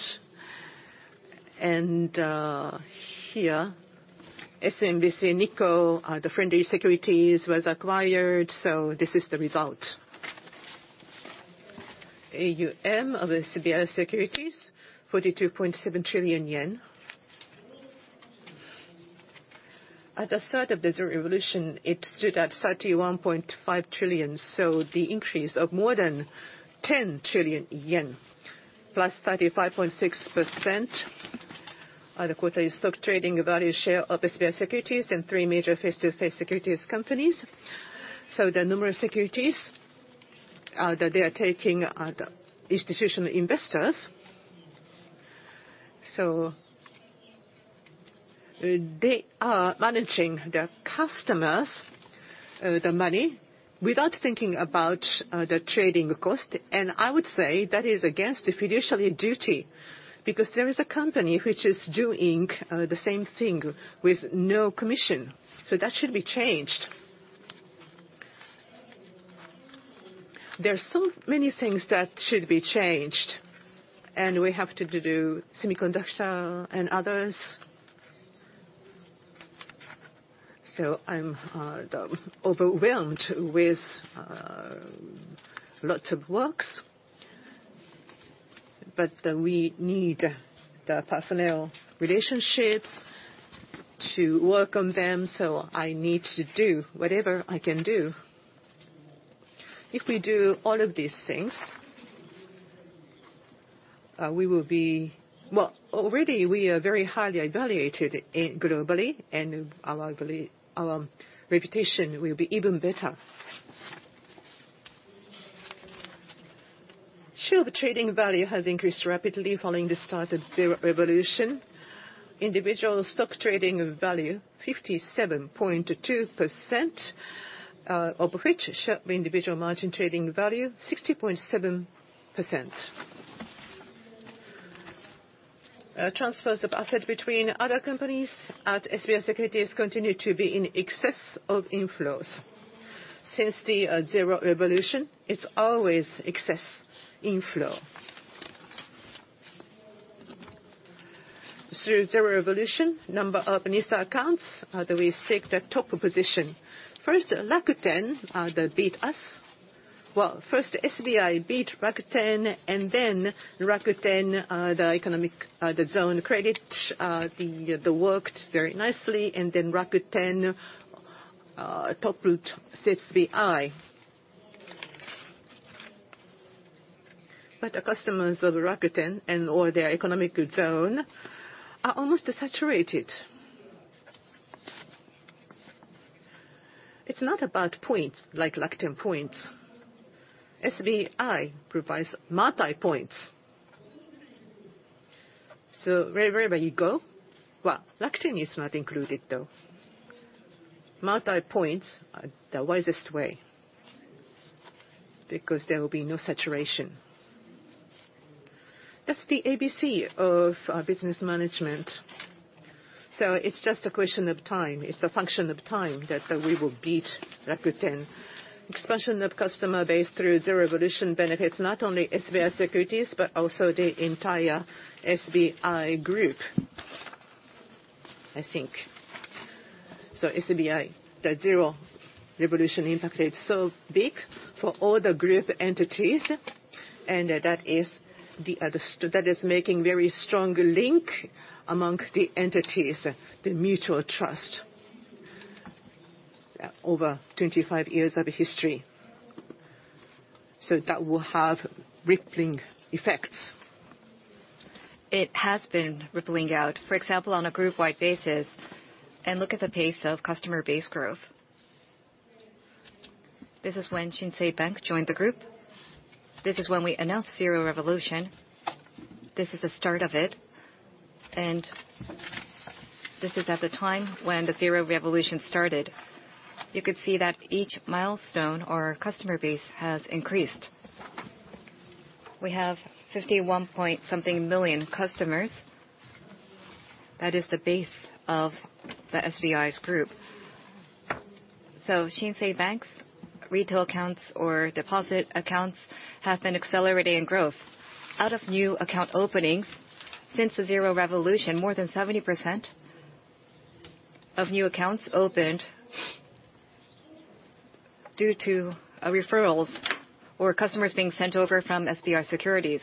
and here SMBC Nikko Securities was acquired. So this is the result AUM of the SBI Securities JPY 42.7 trillion. At. the start of the revolution, it stood at 31.5 trillion. So the increase of more than 10 trillion yen plus 35.6%, the quarterly stock trading value share of SBI Securities and three major face-to-face securities companies. So the numerous securities that they are taking institutional investors so they are managing the customers' money without thinking about the trading cost. And I would say that is against the fiduciary duty because there is a company which is doing the same thing with no commission. So that should be changed. There are so many things that should be changed and we have to do semiconductor and others. So I'm overwhelmed with lots of works but we need the personnel relationships to work on them. So I need to do whatever I can do. If we do all of these things, we will be well. Already we are very highly evaluated globally and reputation will be even better. Share trading value has increased rapidly following the start of the revolution. Individual stock trading value 57.2%, of which SBI individual margin trading value 60.7%. Transfers of assets between other companies at SBI Securities has continued to be in excess of inflows since the Zero Revolution. It's always excess inflow through the revolution. Number of NISA accounts that we see the top position. First Rakuten that beat us well, first SBI beat Rakuten and then Rakuten the economic zone, the credit card that worked very nicely and then Rakuten. But the customers of Rakuten and all their economic zone are almost saturated. It's not about points like Rakuten points. SBI provides multi points so wherever you go well, Rakuten is not included though multi points are the wisest way because there will be no saturation. That's the ABC of business management. So it's just a question of time. It's a function of time that we will beat Rakuten. Expansion of customer base through Zero Revolution benefits not only SBI Securities but also the entire SBI Group. I think so. The Zero Revolution impacted so big for all the group entities. And that is the other that is making very strong link among the entities, the mutual trust over 25 years of history. So that will have rippling effects. It has been rippling out, for example on a group-wide basis. And look at the pace of customer base growth. This is when Shinsei Bank joined the group. This is when we announced Zero Revolution. This is the start of it. And this is at the time when the Zero Revolution started. You could see that each milestone or customer base has increased. We have 51-point-something million customers. That is the base of the SBI Group. So Shinsei Bank's retail accounts or deposit accounts have been accelerating in growth out of new account openings since the Zero Revolution. More than 70% of new accounts opened due to referrals or customers being sent over from SBI Securities.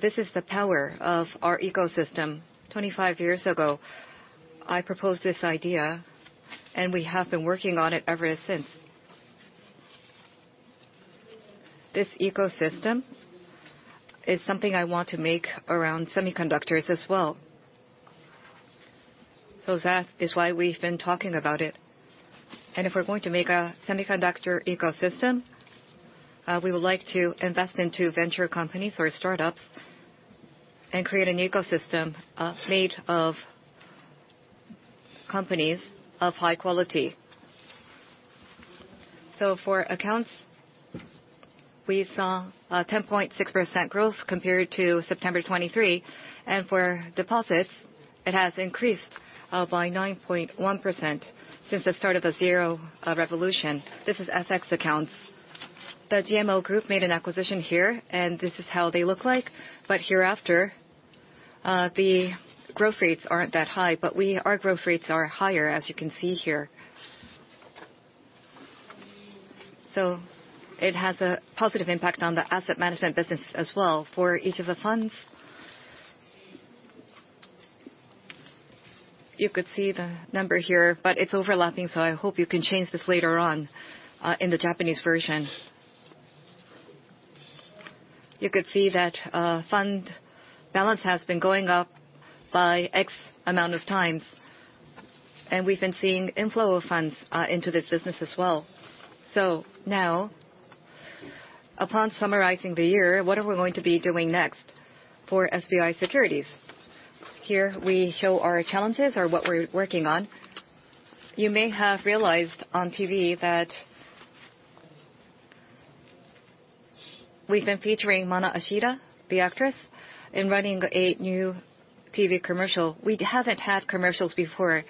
This is the power of our ecosystem. 25 years ago I proposed this idea and we have been working on it ever since. This ecosystem is something I want to make around semiconductors as well. So that is why we've been talking about it. And if we're going to make a semiconductor ecosystem, we would like to invest into venture companies or startups and create an ecosystem made of companies of high quality. So for accounts we saw 10.6% growth compared to September 23rd. And for deposits it has increased by 9.1% since the start of the Zero Revolution. This is FX accounts. The GMO group made an acquisition here and this is how they look like. But hereafter the growth rates aren't that high. But we are. Growth rates are higher as you can see here. So it has a positive impact on the asset management business as well. For each of the funds you could see the number here, but it's overlapping. So I hope you can change this later on. In the Japanese version you could see that fund balance has been going up by X amount of times. And we've been seeing inflow of funds into this business as well. So now upon summarizing the year, what are we going to be doing next for SBI Securities? Here we show our challenges or what we're working on. You may have realized on TV that we've been featuring Mana Ashida, the actress, in a new TV commercial. We haven't had commercials before,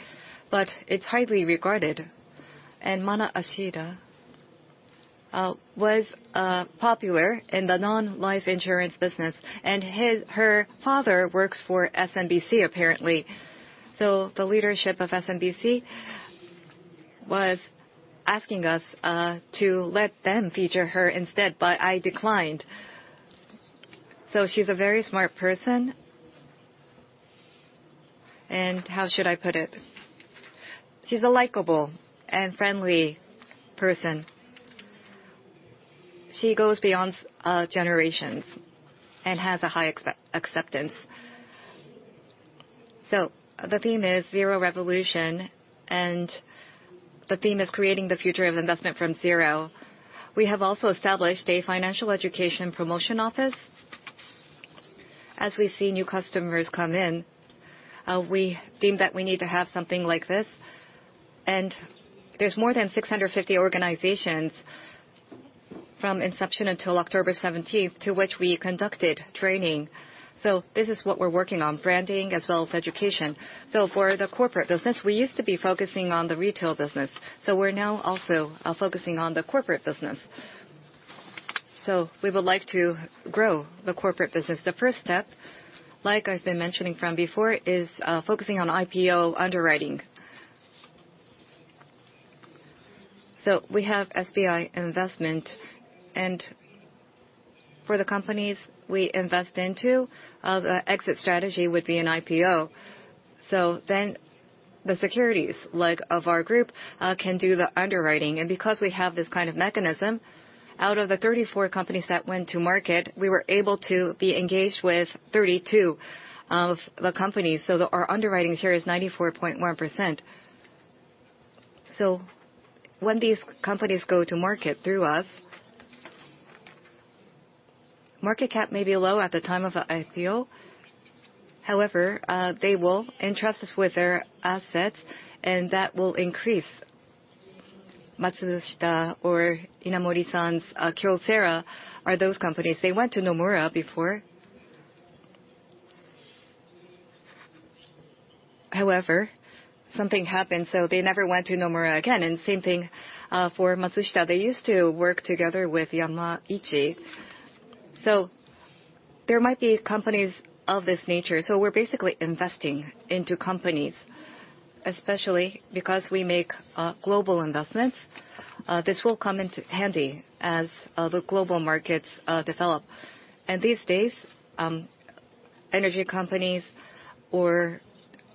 but it's highly regarded. And Mana Ashida was popular in the non-life insurance business and her father works for SMBC apparently. So the leadership of SMBC was asking us to let them feature her instead, but I declined. So she's a very smart person and how should I put it? She's a likable and friendly person. She goes beyond generations and has a high acceptance. The theme is Zero Revolution and the theme is creating the future of investment from zero. We have also established a financial education promotion office. As we see new customers come in, we deem that we need to have something like this. There are more than 650 organizations from inception until October 17th, to which we conducted training. This is what we're working on, branding as well as education. For the corporate business, we used to be focusing on the retail business. We're now also focusing on the corporate business. We would like to grow the corporate business. The first step, like I've been mentioning from before, is focusing on IPO underwriting. We have SBI Investment. For the companies we invest into, the exit strategy would be an IPO. Then the securities arm of our group can do the underwriting. Because we have this kind of mechanism, out of the 34 companies that went to market, we were able to be engaged with 32 of the company. That our underwriting share is 94.1%. When these companies go to market, their market cap may be low at the time of IPO. However, they will entrust us with their assets and that will increase. Matsushita or Inamori-san, Kyocera are those companies. They went to Nomura before. However something happened so they never went to Nomura again. The same thing for Matsushita. They used to work together with Yamaichi. There might be companies of this nature. We're basically investing into companies, especially because we make global investments. This will come in handy as the global markets develop. These days, energy companies or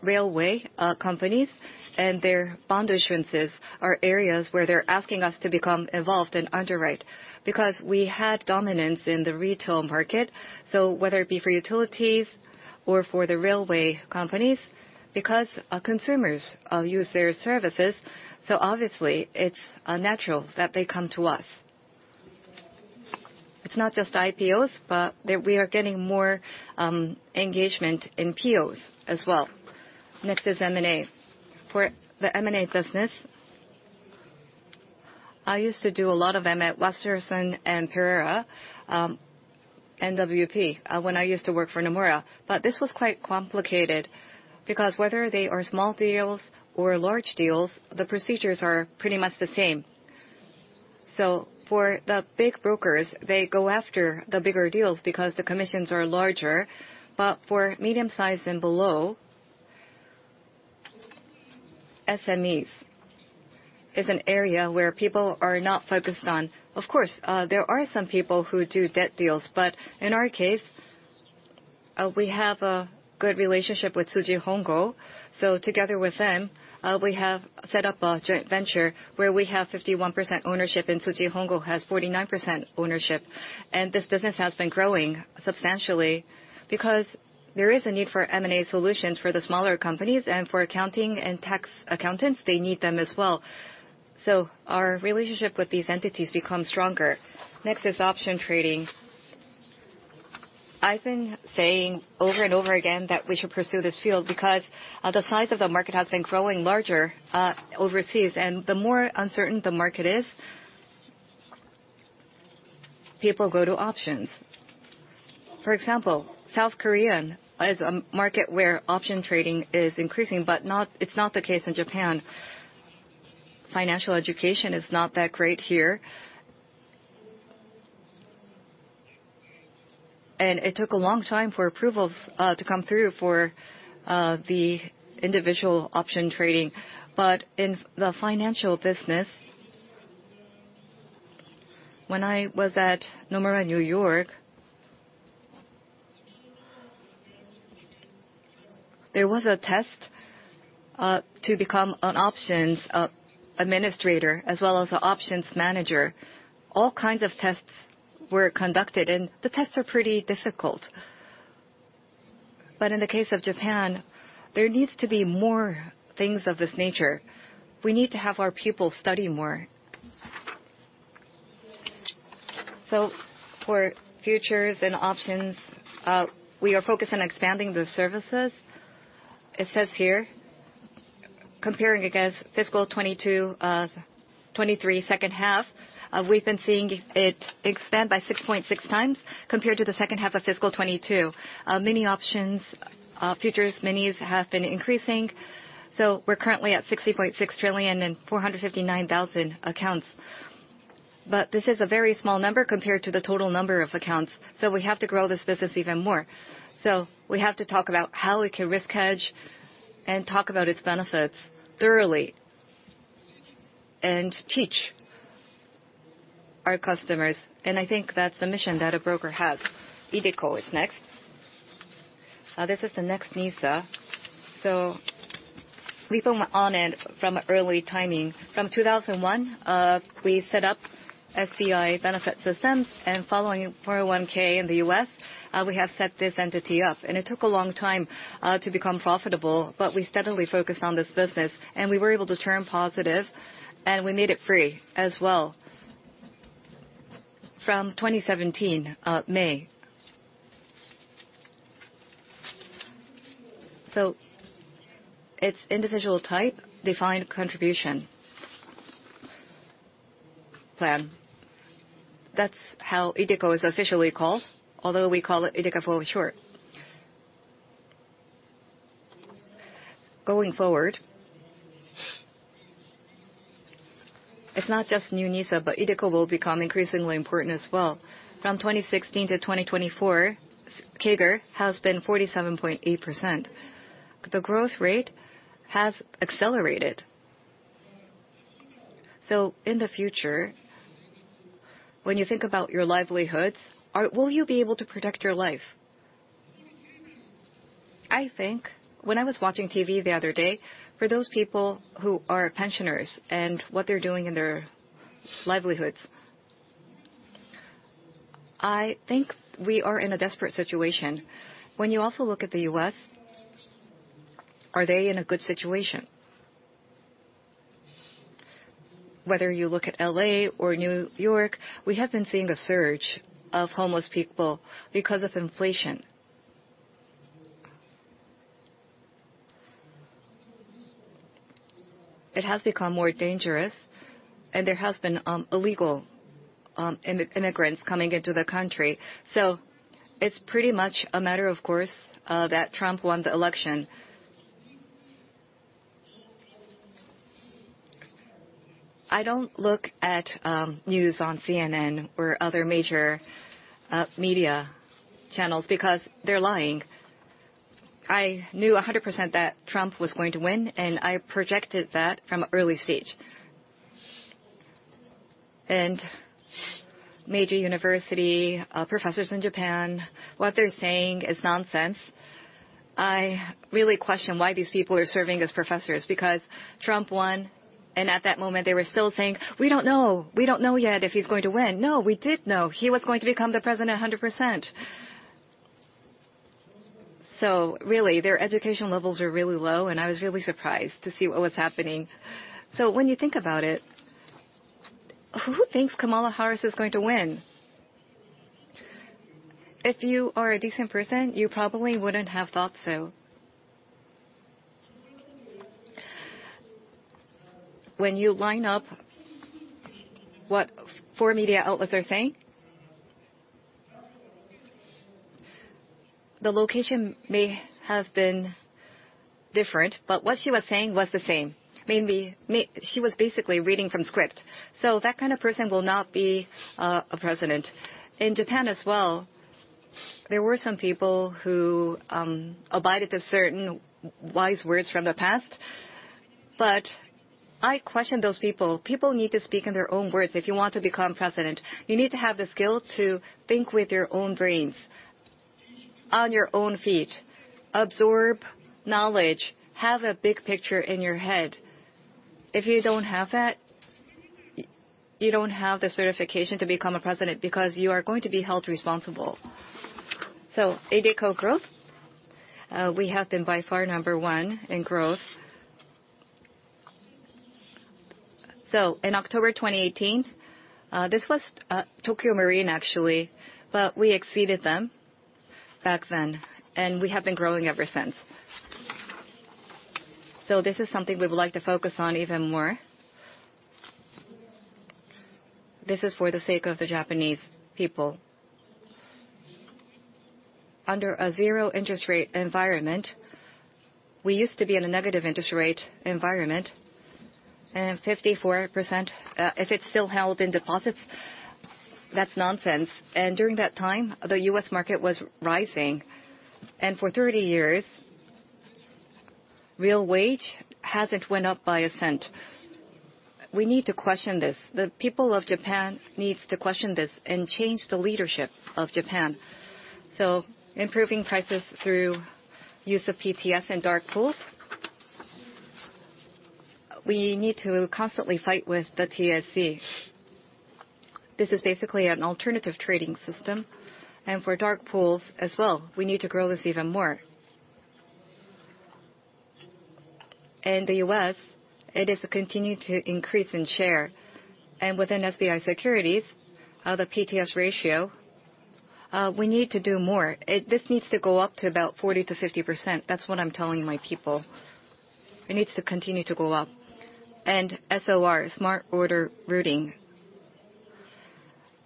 railway companies and their bond issuances are areas where they're asking us to become involved and underwrite because we had dominance in the retail market. So whether it be for utilities or for the railway companies, because consumers use their services, so obviously it's natural that they come to us. It's not just IPOs, but we are getting more engagement in PTS as well. Next is M&A for the M&A business. I used to do a lot of M&A at Wasserstein Perella when I used to work for Nomura. But this was quite complicated because whether they are small deals or large deals, the procedures are pretty much the same. So for the big brokers, they go after the bigger deals because the commissions are larger. But for medium-sized and below, SMEs is an area where people are not focused on. Of course there are some people who do debt deals. But in our case we have a good relationship with Tsuji Hongo. So together with them we have set up a joint venture where we have 51% ownership in Tsuji Hongo has 49% ownership. And this business has been growing substantially because there is a need for M&A solutions for the smaller comp anies and for accounting and tax accountants. They need them as well. So our relationship with these entities becomes stronger. Next is option trading. I've been saying over and over again that we should pursue this field because the size of the market has been growing larger overseas and the more uncertain the market is, people go to options. For example, South Korea is a market where option trading is increasing, but not. It's not the case in Japan. Financial education is not that great here, and it took a long time for approvals to come through for the individual option trading, but in the financial business, when I was at Nomura, New York, there was a test to become an options administrator as well as an options manager. All kinds of tests were conducted, and the tests are pretty difficult, but in the case of Japan, there needs to be more things of this nature. We need to have our pupils study more, so for futures and options we are focused on expanding the services. It says here comparing against fiscal 2023 second half, we've been seeing it expand by 6.6 times compared to the second half of fiscal 2022. Mini Options Futures Minis have been increasing, so we're currently at 60.6 trillion and 459,000 accounts. But this is a very small number compared to the total number of accounts. So we have to grow this business even more. So we have to talk about how we can risk hedge and talk about its benefits thoroughly and teach our customers. And I think that's a mission that a broker has. iDeCo is next. This is the next NISA. So we've been ahead from early on. From 2001 we set up SBI Benefit Systems and following 401(k) in the U.S. we have set this entity up and it took a long time to become profitable. But we steadily focused on this business and we were able to turn positive and we made it free as well. From 2017, May. So it's individual type defined contribution. Plan. That's how iDeCo is officially called, although we call it iDeCo for short. Going forward, it's not just new NISA, but iDeCo will become increasingly important as well. From 2016 to 2024, CAGR has been 47.8%. The growth rate has accelerated. So in the future, when you think about your livelihoods, will you be able to protect your life? I think when I was watching TV the other day, for those people who are pensioners and what they're doing in their livelihoods, I think we are in a desperate situation. When you also look at the U.S., are they in a good situation? Whether you look at L.A. or New York, we have been seeing a surge of homeless people because of inflation. It has become more dangerous and there has been illegal immigrants coming into the country. It's pretty much a matter of course that Trump won the election. I don't look at news on CNN or other major media channels because they're lying. I knew 100% that Trump was going to win and I projected that from an early stage. Major university professors in Japan, what they're saying is nonsense. I really question why these people are serving as professors. Because Trump won and at that moment they were still saying, we don't know, we don't know yet if he's going to win. No, we did know he was going to become the president 100%. Really their education levels are really low. I was really surprised to see what was happening. When you think about it, who thinks Kamala Harris is going to win? If you are a decent person, you probably wouldn't have thought so. When you line up what four media outlets are saying, the location may have been different, but what she was saying was the same. Maybe she was basically reading from script, so that kind of person will not be a president. In Japan as well, there were some people who abided to certain wise words from the past, but I question those people. People need to speak in their own words. If you want to become president, you need to have the skill to think with your own brains, on your own feet, absorb knowledge, have a big picture in your head. If you don't have that, you don't have the certification to become a president because you are going to be held responsible, so ad co growth, we have been by far number one in growth, so in October 2018, this was Tokyo Marine actually. But we exceeded them back then and we have been growing ever since. So this is something we would like to focus on even more. This is for the sake of the Japanese people. Under a zero interest rate environment. We used to be in a negative interest rate environment and 54% if it's still held in deposits, that's nonsense. And during that time the US market was rising and for 30 years, real wage hasn't went up by a cent. We need to question this. The people of Japan needs to question this and change the leadership of Japan. So improving prices through use of PTS and dark pools we need to constantly fight with the TSE. This is basically an alternative trading system and for dark pools as well. We need to grow this even more and the U.S. it is continue to increase in share and within SBI Securities the PTS ratio we need to do more. This needs to go up to about 40%-50%. That's what I'm telling my people. It needs to continue to go up. And so our smart order routing.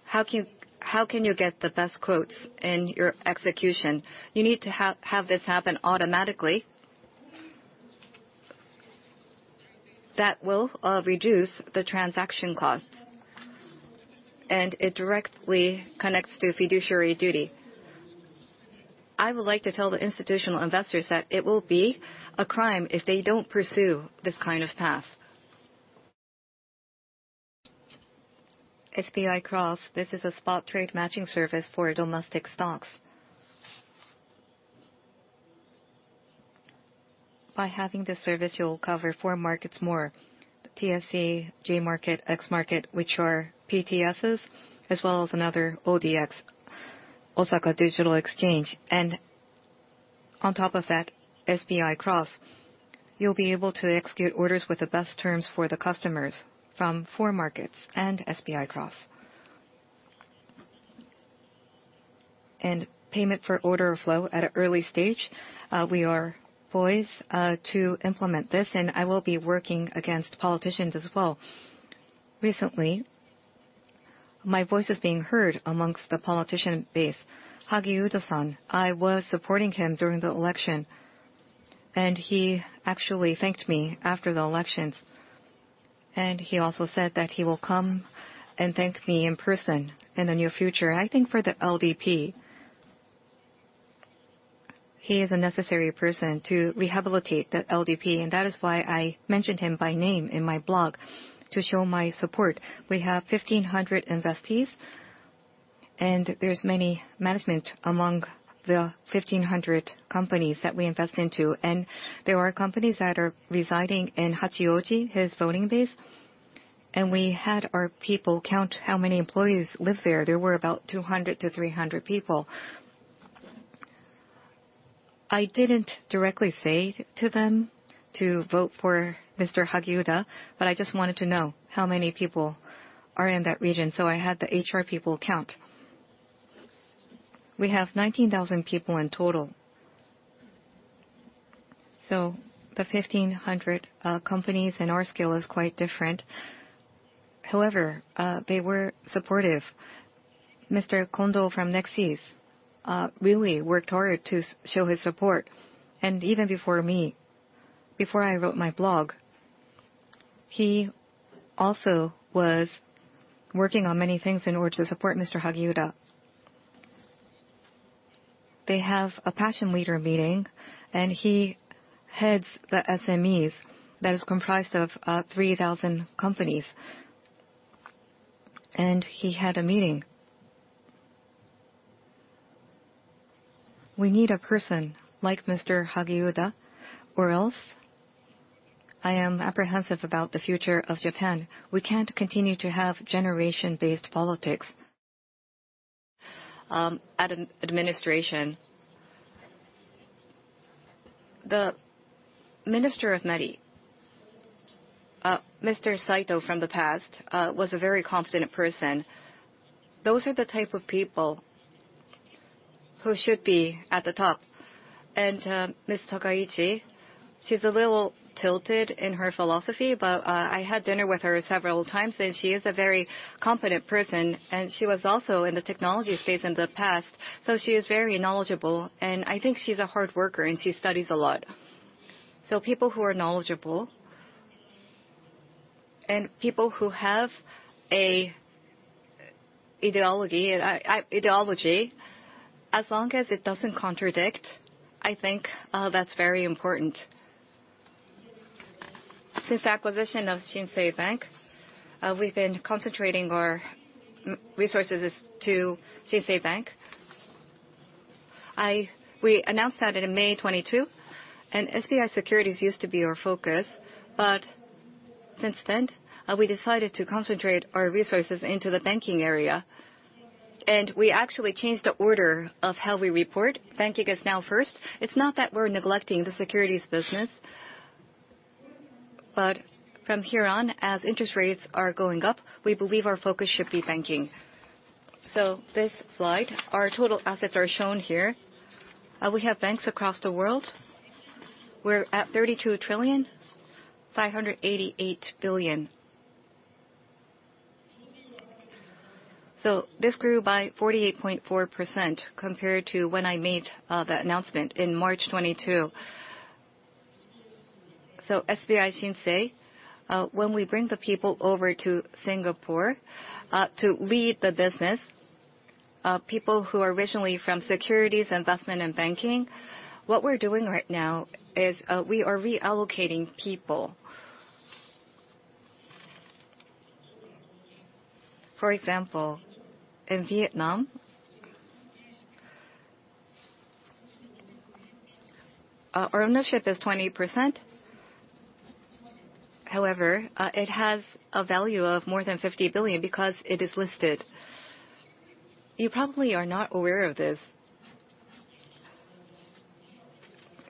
How can you get the best quotes in your execution? You need to have this happen automatically. That will reduce the transaction costs and it directly connects to fiduciary duty. I would like to tell the institutional investors that it will be a crime if they don't pursue this kind of path. SBICROSS this is a spot trade matching service for domestic stocks. By having this service you'll cover four markets more TSE J-Market X-Market which are PTSs as well as another ODX Osaka Digital Exchange. And on top of that, SBICROSS, you'll be able to execute orders with the best terms for the customers from four markets and SBICROSS and payment for order flow. At an early stage, we are poised to implement this and I will be working against politicians as well. Recently, my voice is being heard amongst the politician base Hagiuda-san. I was supporting him during the election and he actually thanked me after the elections and he also said that he will come and thank me in person in the near future. I think for the LDP he is a necessary person to rehabilitate the LDP and that is why I mentioned him by name in my blog to show my support. We have 1,500 investees and there's many management among the 1,500 companies that we invest into. There are companies that are residing in Hachioji, his voting base. We had our people count how many employees lived there. There were about 200-300 people. I didn't directly say to them to vote for Mr. Hagiuda, but I just wanted to know how many people are in that region. So I had the HR people count. We have 19,000 people in total. So the 1,500 companies and our scale is quite different. However, they were supportive. Mr. Kondo from Nexyz really worked hard to show his support. Even before me, before I wrote my blog, he also was working on many things in order to support Mr. Hagiuda. They have a passion leader meeting and he heads the SMEs that is comprised of 3,000 companies and he had a meeting. We need a person like Mr. Hagiuda or else I am apprehensive about the future of Japan. We can't continue to have generation based politics administration. The Minister of METI, Mr. Saito from the past was a very confident person. Those are the type of people who should be at the top, and Ms. Takaichi, she's a little tilted in her philosophy but I had dinner with her several times and she is a very competent person, and she was also in the technology space in the past, so she is very knowledgeable and I think she's a hard worker and she studies a lot, so people who are knowledgeable and people who have a ideology. Ideology, as long as it doesn't contradict. I think that's very important. Since the acquisition of Shinsei Bank, we've been concentrating our resources to Shinsei Bank. We announced that in May 2022, and SBI Securities used to be our focus. But since then, we decided to concentrate our resources into the banking area, and we actually changed the order of how we report. Banking is now first. It's not that we're neglecting the securities business, but from here on, as interest rates are going up, we believe our focus should be banking, so this slide, our total assets are shown here. We have banks across the world. We're at 32,588,000,000,000. So this grew by 48.4% compared to when I made that announcement in March 2022, so SBI Shinsei, when we bring the people over to Singapore to lead the business, people who are originally from securities, investment and banking, what we're doing right now is we are reallocating people. For example, in Vietnam, our ownership is 20%. However, it has a value of more than 50 billion because it is listed. You probably are not aware of this.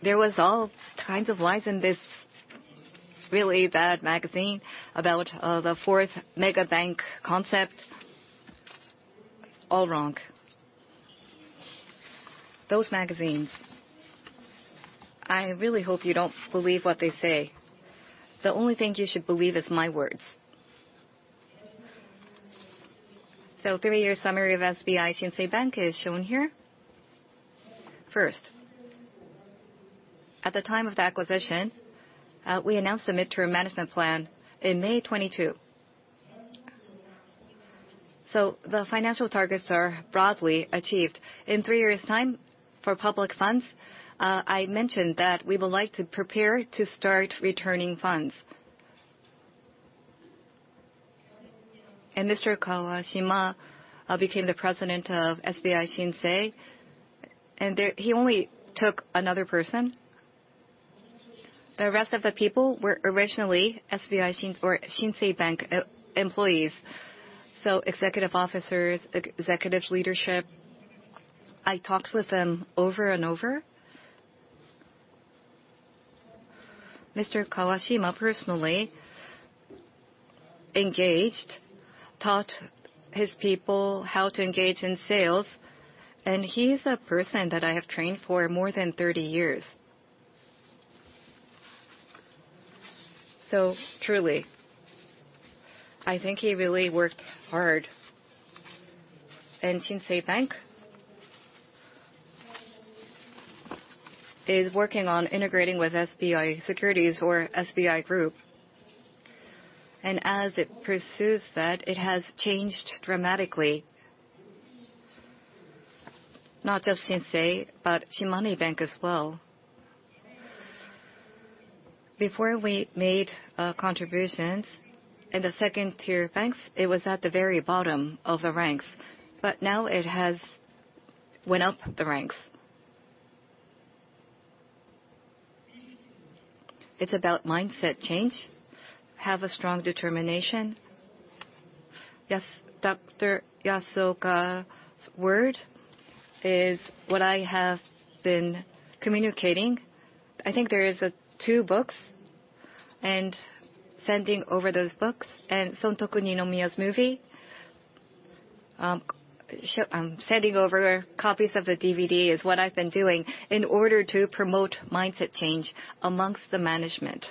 There was all kinds of lies in this really bad magazine about the fourth megabank concept. All wrong. Those magazines. I really hope you don't believe what they say. The only thing you should believe is my words. Three-year summary of SBI Shinsei Bank is shown here. First, at the time of the acquisition, we announced the midterm management plan in May 2022. The financial targets are broadly achieved in three years' time for public funds. I mentioned that we would like to prepare to start returning funds. Mr. Kawashima became the president of SBI Shinsei Bank and he only took another person; the rest of the people were originally SBI or Shinsei Bank employees. Executive officers, executive leadership. I talked with them over and over. Mr. Kawashima personally engaged, taught his people how to engage in sales, and he's a person that I have trained for more than 30 years, so truly I think he really worked hard, and Shinsei Bank is working on integrating with SBI Securities or SBI Group. And as it pursues that, it has changed dramatically, not just Shinsei but Shimane Bank as well. Before we made contributions in the second tier banks, it was at the very bottom of the ranks, but now it has went up the ranks. It's about mindset change. Have a strong determination. Yes, Dr. Yasuoka word is what I have been communicating. I think there is two books and sending over those books and Sontoku Ninomiya's. Movie. Sending over copies of the DVD is what I've been doing in order to promote mindset change among the management.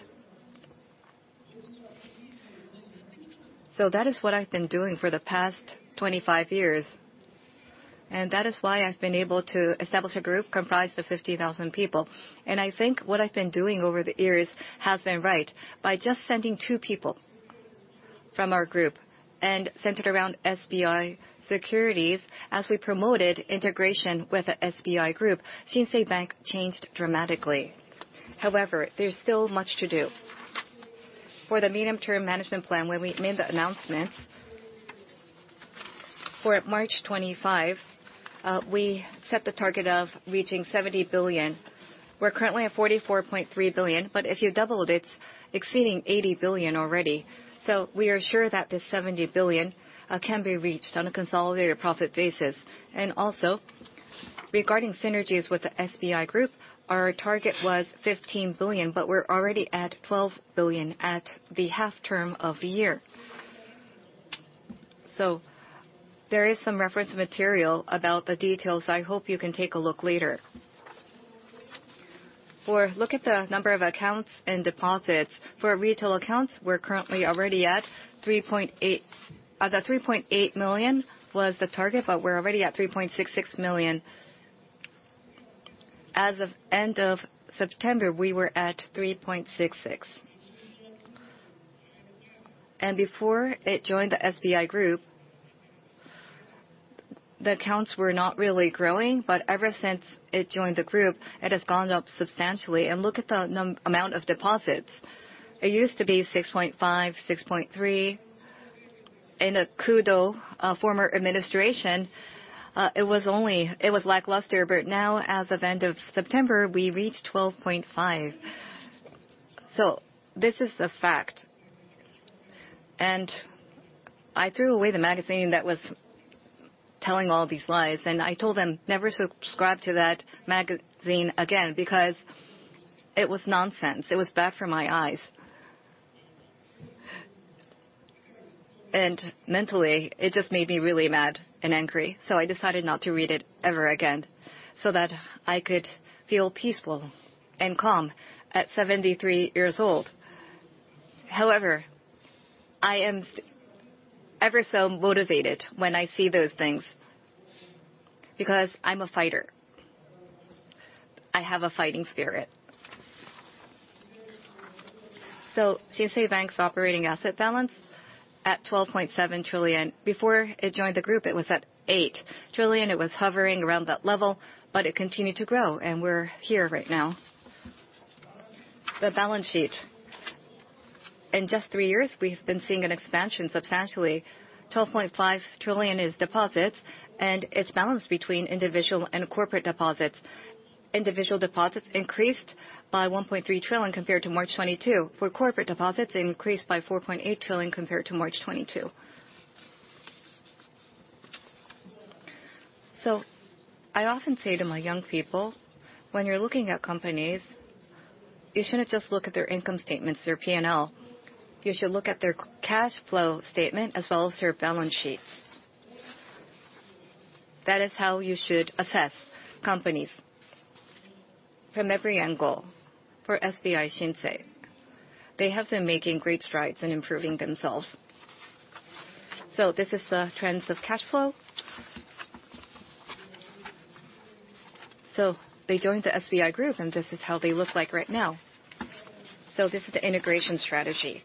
So that is what I've been doing for the past 25 years. And that is why I've been able to establish a group comprised of 50,000 people. And I think what I've been doing over the years has been right by just sending two people from our group and centered around SBI Securities. As we promoted integration with the SBI Group, SBI Shinsei Bank changed dramatically. However, there's still much to do for the medium term management plan. When we made the announcements for March 25, we set the target of reaching 70 billion. We're currently at 44.3 billion. But if you doubled, it's exceeding 80 billion already. So we are sure that this 70 billion can be reached on a consolidated profit basis. Also regarding synergies with the SBI Group, our target was 15 billion but we're already at 12 billion at the half term of the year. There is some reference material about the details. I hope you can take a look later. Look at the number of accounts and deposits. For retail accounts, we're currently already at 3.8 million. The 3.8 million was the target, but we're already at 3.66 million. As of the end of September we were at 3.66 million. Before it joined the SBI Group, the accounts were not really growing. Ever since it joined the group it has gone up substantially. Look at the amount of deposits. It used to be 6.5 trillion, 6.3 trillion. Under the former administration it was only. It was lackluster. But now as of the end of September, we reached 12.5 trillion. This is the fact. And I threw away the magazine that was telling all these lies. And I told them, never subscribe to that magazine again because it was nonsense. It was bad for my eyes. And mentally it just made me really mad and angry. So I decided not to read it ever again so that I could feel peaceful and calm. At 73 years old, however, I am ever so motivated when I see those things because I'm a fighter. I have a fighting spirit. So Shinsei Bank's operating asset balance at 12.7 trillion. Before it joined the group it was at 8 trillion. It was hovering around that level. But it continued to grow and we're here right now. The balance sheet in just three years we've been seeing an expansion substantially. 12.5 trillion is deposits and its balance between individual and corporate deposits. Individual deposits increased by 1.3 trillion compared to March 2022. For corporate deposits increased by 4.8 trillion compared to March 2022. So I often say to my young people, when you're looking at companies, you shouldn't just look at their income statements, their P and L. You should look at their cash flow statement as well as their balance sheets. That is how you should assess companies from every angle. For SBI Shinsei they have been making great strides in improving themselves. So this is the trends of cash flow. So they joined the SBI Group and this is how they look like right now. So this is the integration strategy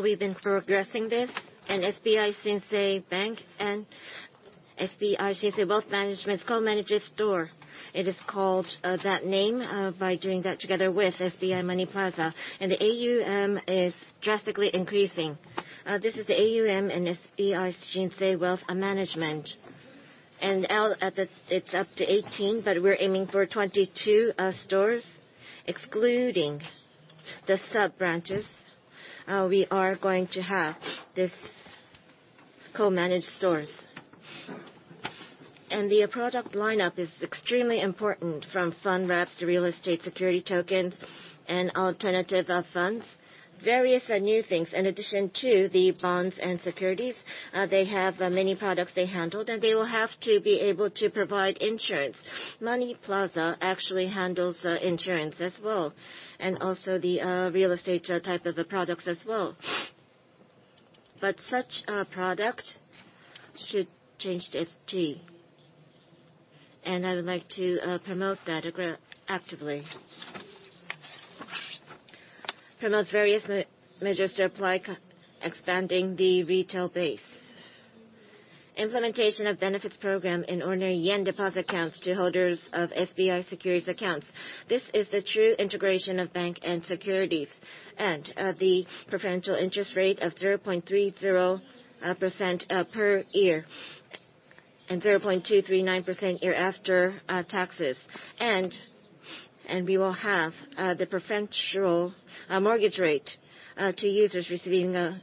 we've. Been progressing this and SBI and SBI Wealth Management called Uncertain it is called that name. By doing that together with SBI Money Plaza and the AUM is drastically increasing. This is AUM and SBI Shinsei Wealth Management and at the it's up to 18, but we're aiming for 22 stores excluding the sub branches. We are going to have this co-managed stores and the product lineup is extremely important. From fund wraps to real estate security tokens and alternative funds various new things. In addition to the bonds and securities they have many products they handled and they will have to be able to provide insurance. Money Plaza actually handles insurance as well and also the real estate type of products as well. But such product should change its DNA, and I would like to promote that actively promotes various measures to apply expanding the retail base implementation of benefits program in ordinary yen deposit accounts to holders of SBI Securities accounts. This is the true integration of bank and securities, and the preferential interest rate of 0.30% per year and 0.239% year after taxes, and we will have the preferential mortgage rate to users receiving a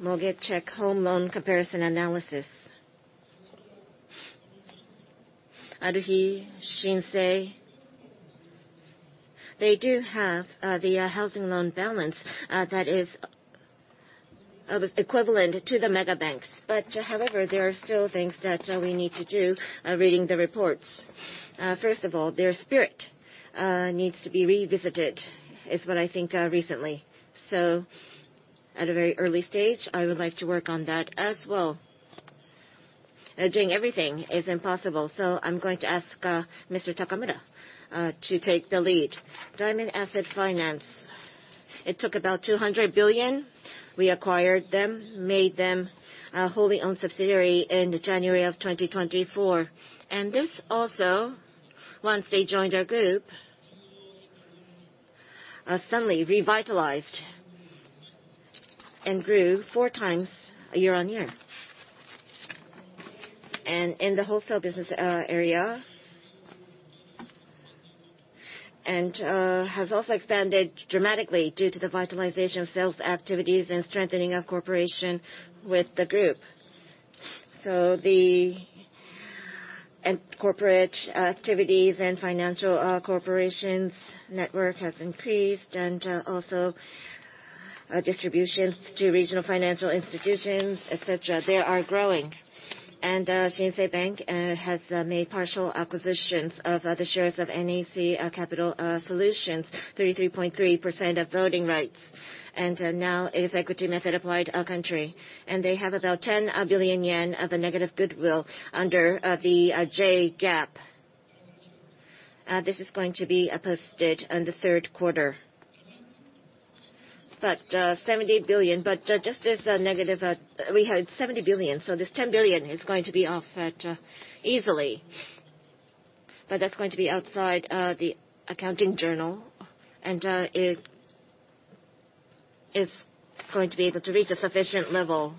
mortgage check, home loan comparison analysis Aruhi Shinsei. They do have the housing loan balance that. Is. Equivalent to the mega banks. But however, there are still things that we need to do. Reading the reports, first of all, there's spirit needs to be revisited, is what I think recently. So at a very early stage, I would like to work on that as well. Doing everything is impossible, so I'm going to ask Mr. Takamura to take the lead. Diamond Asset Finance, it took about 200 billion. We acquired them, made them a wholly owned subsidiary in January of 2024, and this also, once they joined our group, suddenly revitalized and grew four times year on year in the wholesale business area and has also expanded dramatically due to the vitalization of sales activities and strengthening of cooperation with the group. The corporate activities and financial corporations network has increased, and also distributions to regional financial institutions, et cetera. They are growing, and Shinsei Bank has made partial acquisitions of the shares of NEC Capital Solutions, 33.3% of voting rights. Now acquisition method applied in our country, and they have about 10 billion yen of a negative goodwill under the J-GAAP. This is going to be posted in the third quarter, but 70 billion, but just as negative we had 70 billion. So this 10 billion is going to be offset easily, but that's going to be outside the accounting journal, and it is going to be able to reach a sufficient level.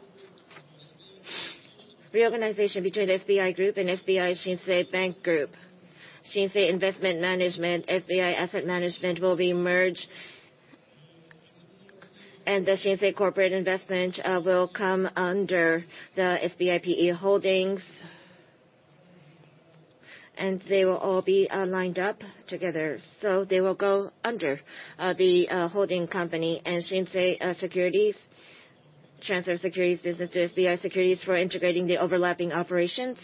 Reorganization between the SBI Group and SBI Shinsei Bank Group Investment Management. SBI Asset Management will be merged, and the Shinsei corporate investment will come under the SBI Holdings, and they will all be lined up together. So they will go under the holding company and Shinsei Securities transfer securities business to SBI Securities for integrating the overlapping operations.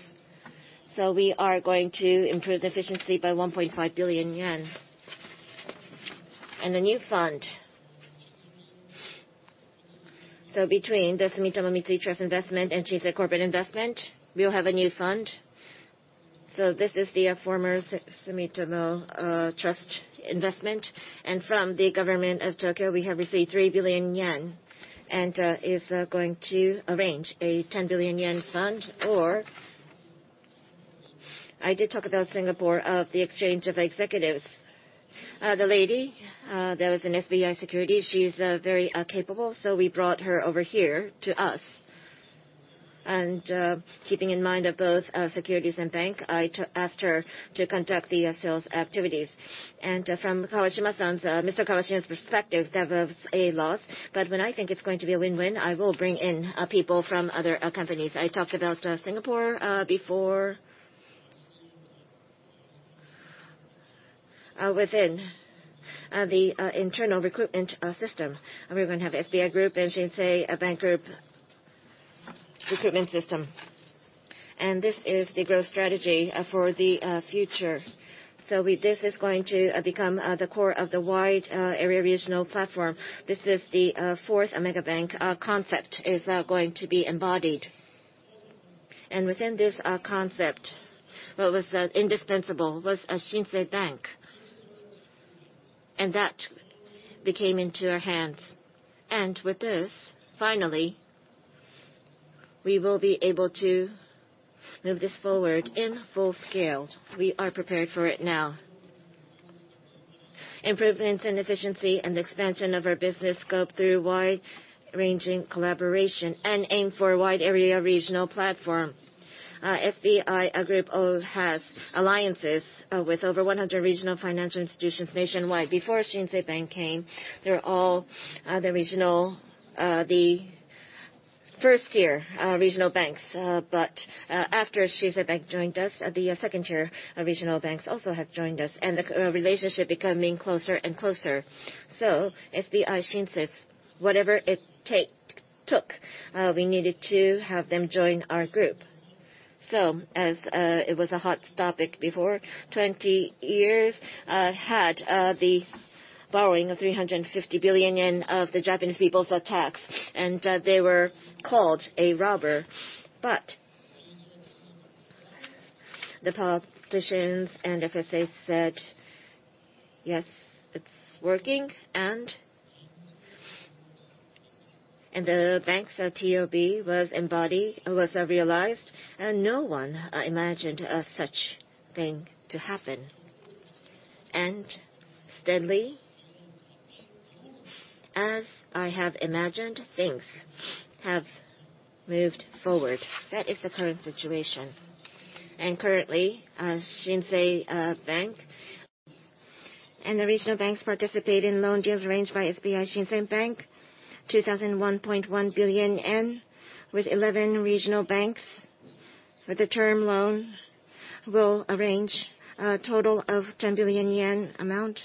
So we are going to improve the efficiency by 1.5 billion yen and the new fund. So between the Sumitomo Mitsui Trust investment and SBI corporate investment we will have a new fund. So this is the former Sumitomo Trust investment and from the Tokyo Metropolitan Government we have received 3 billion yen and is going to arrange a 10 billion yen fund or I did talk about Singapore of the exchange of executives. The lady that was an SBI Securities she's very capable so we brought her over here to us and keeping in mind of both securities and bank I asked her to conduct the sales activities and from Kawashima-san's Mr. Kawashima's perspective that was a loss. But when I think it's going to be a win-win I will bring in people from other companies. I talked about Singapore before. Within the internal recruitment system we're going to have SBI Group and Shinsei Bank Group recruitment system. And this is the growth strategy for the future. So this is going to become the core of the wide area regional platform. This is the fourth megabank concept is going to be embodied. And within this concept, what was indispensable was a Shinsei Bank and that became into our hands. And with this finally we will be able to move this forward in full scale. We are prepared for it now. Improvements in efficiency and expansion of our business scope through wide-ranging collaboration and aim for wide area regional platform. SBI Group also has alliances with over 100 regional financial institutions nationwide. Before Shinsei Bank came, they are all the first tier regional banks. But after Shinsei Bank joined us, the second tier regional banks also have joined us and the relationship is becoming closer and closer. So SBI Shinsei, whatever it took, we needed to have them join our group. So as it was a hot topic before 20 years had the borrowing of 350 billion yen of the Japanese people's taxes and they were called a robber. But the politicians and FSA said yes, it's working and the bank's TOB was realized and no one imagined such a thing to happen. And steadily, as I have imagined, things have moved forward. That is the current situation. And currently Shinsei Bank and the regional banks participate in loan deals arranged by SBI Shinsei Bank: 2,001.1 billion yen with 11 regional banks. With the term loan we'll arrange a total of 10 billion yen amount,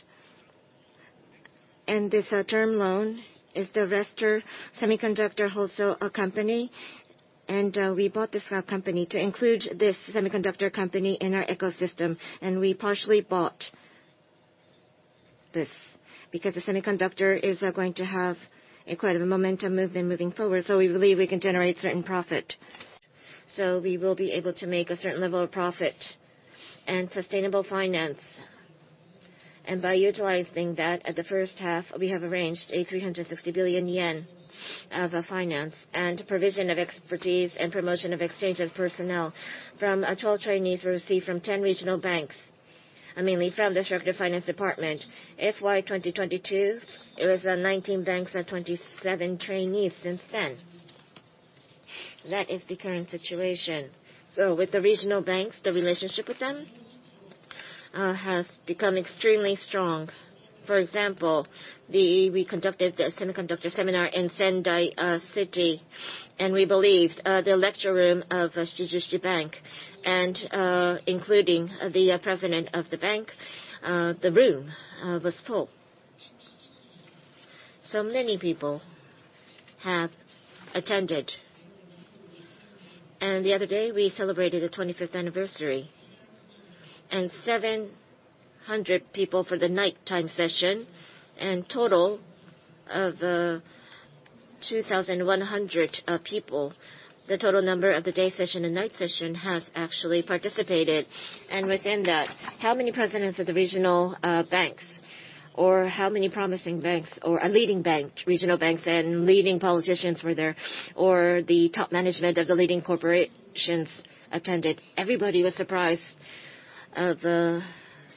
and this term loan is the Restar semiconductor wholesale company, and we bought this company to include this semiconductor company in our ecosystem, and we partially bought this because the semiconductor is going to have incredible momentum movement moving forward, so we believe we can generate certain profit so we will be able to make a certain level of profit and sustainable finance, and by utilizing that at the first half we have arranged a 360 billion yen of finance and provision of expertise and promotion of exchanges personnel from 12 trainees were received from 10 regional banks mainly from the Structured Finance Department. FY 2022, it was 19 banks and 27 trainees. Since then, that is the current situation, so with the regional banks the relationship with them has become extremely strong. For example, we conducted the semiconductor seminar in Sendai City and we filled the lecture room of Shinsei Bank and including the president of the bank the room was full. So many people have attended. And the other day we celebrated the 25th anniversary and 700 people for the nighttime session and total of 2,100 people, the total number of the day session and night session has actually participated. And within that, how many presidents of the regional banks or how many promising banks or a leading bank regional banks and leading politicians were there or the top management of the leading corporations attended? Everybody was surprised of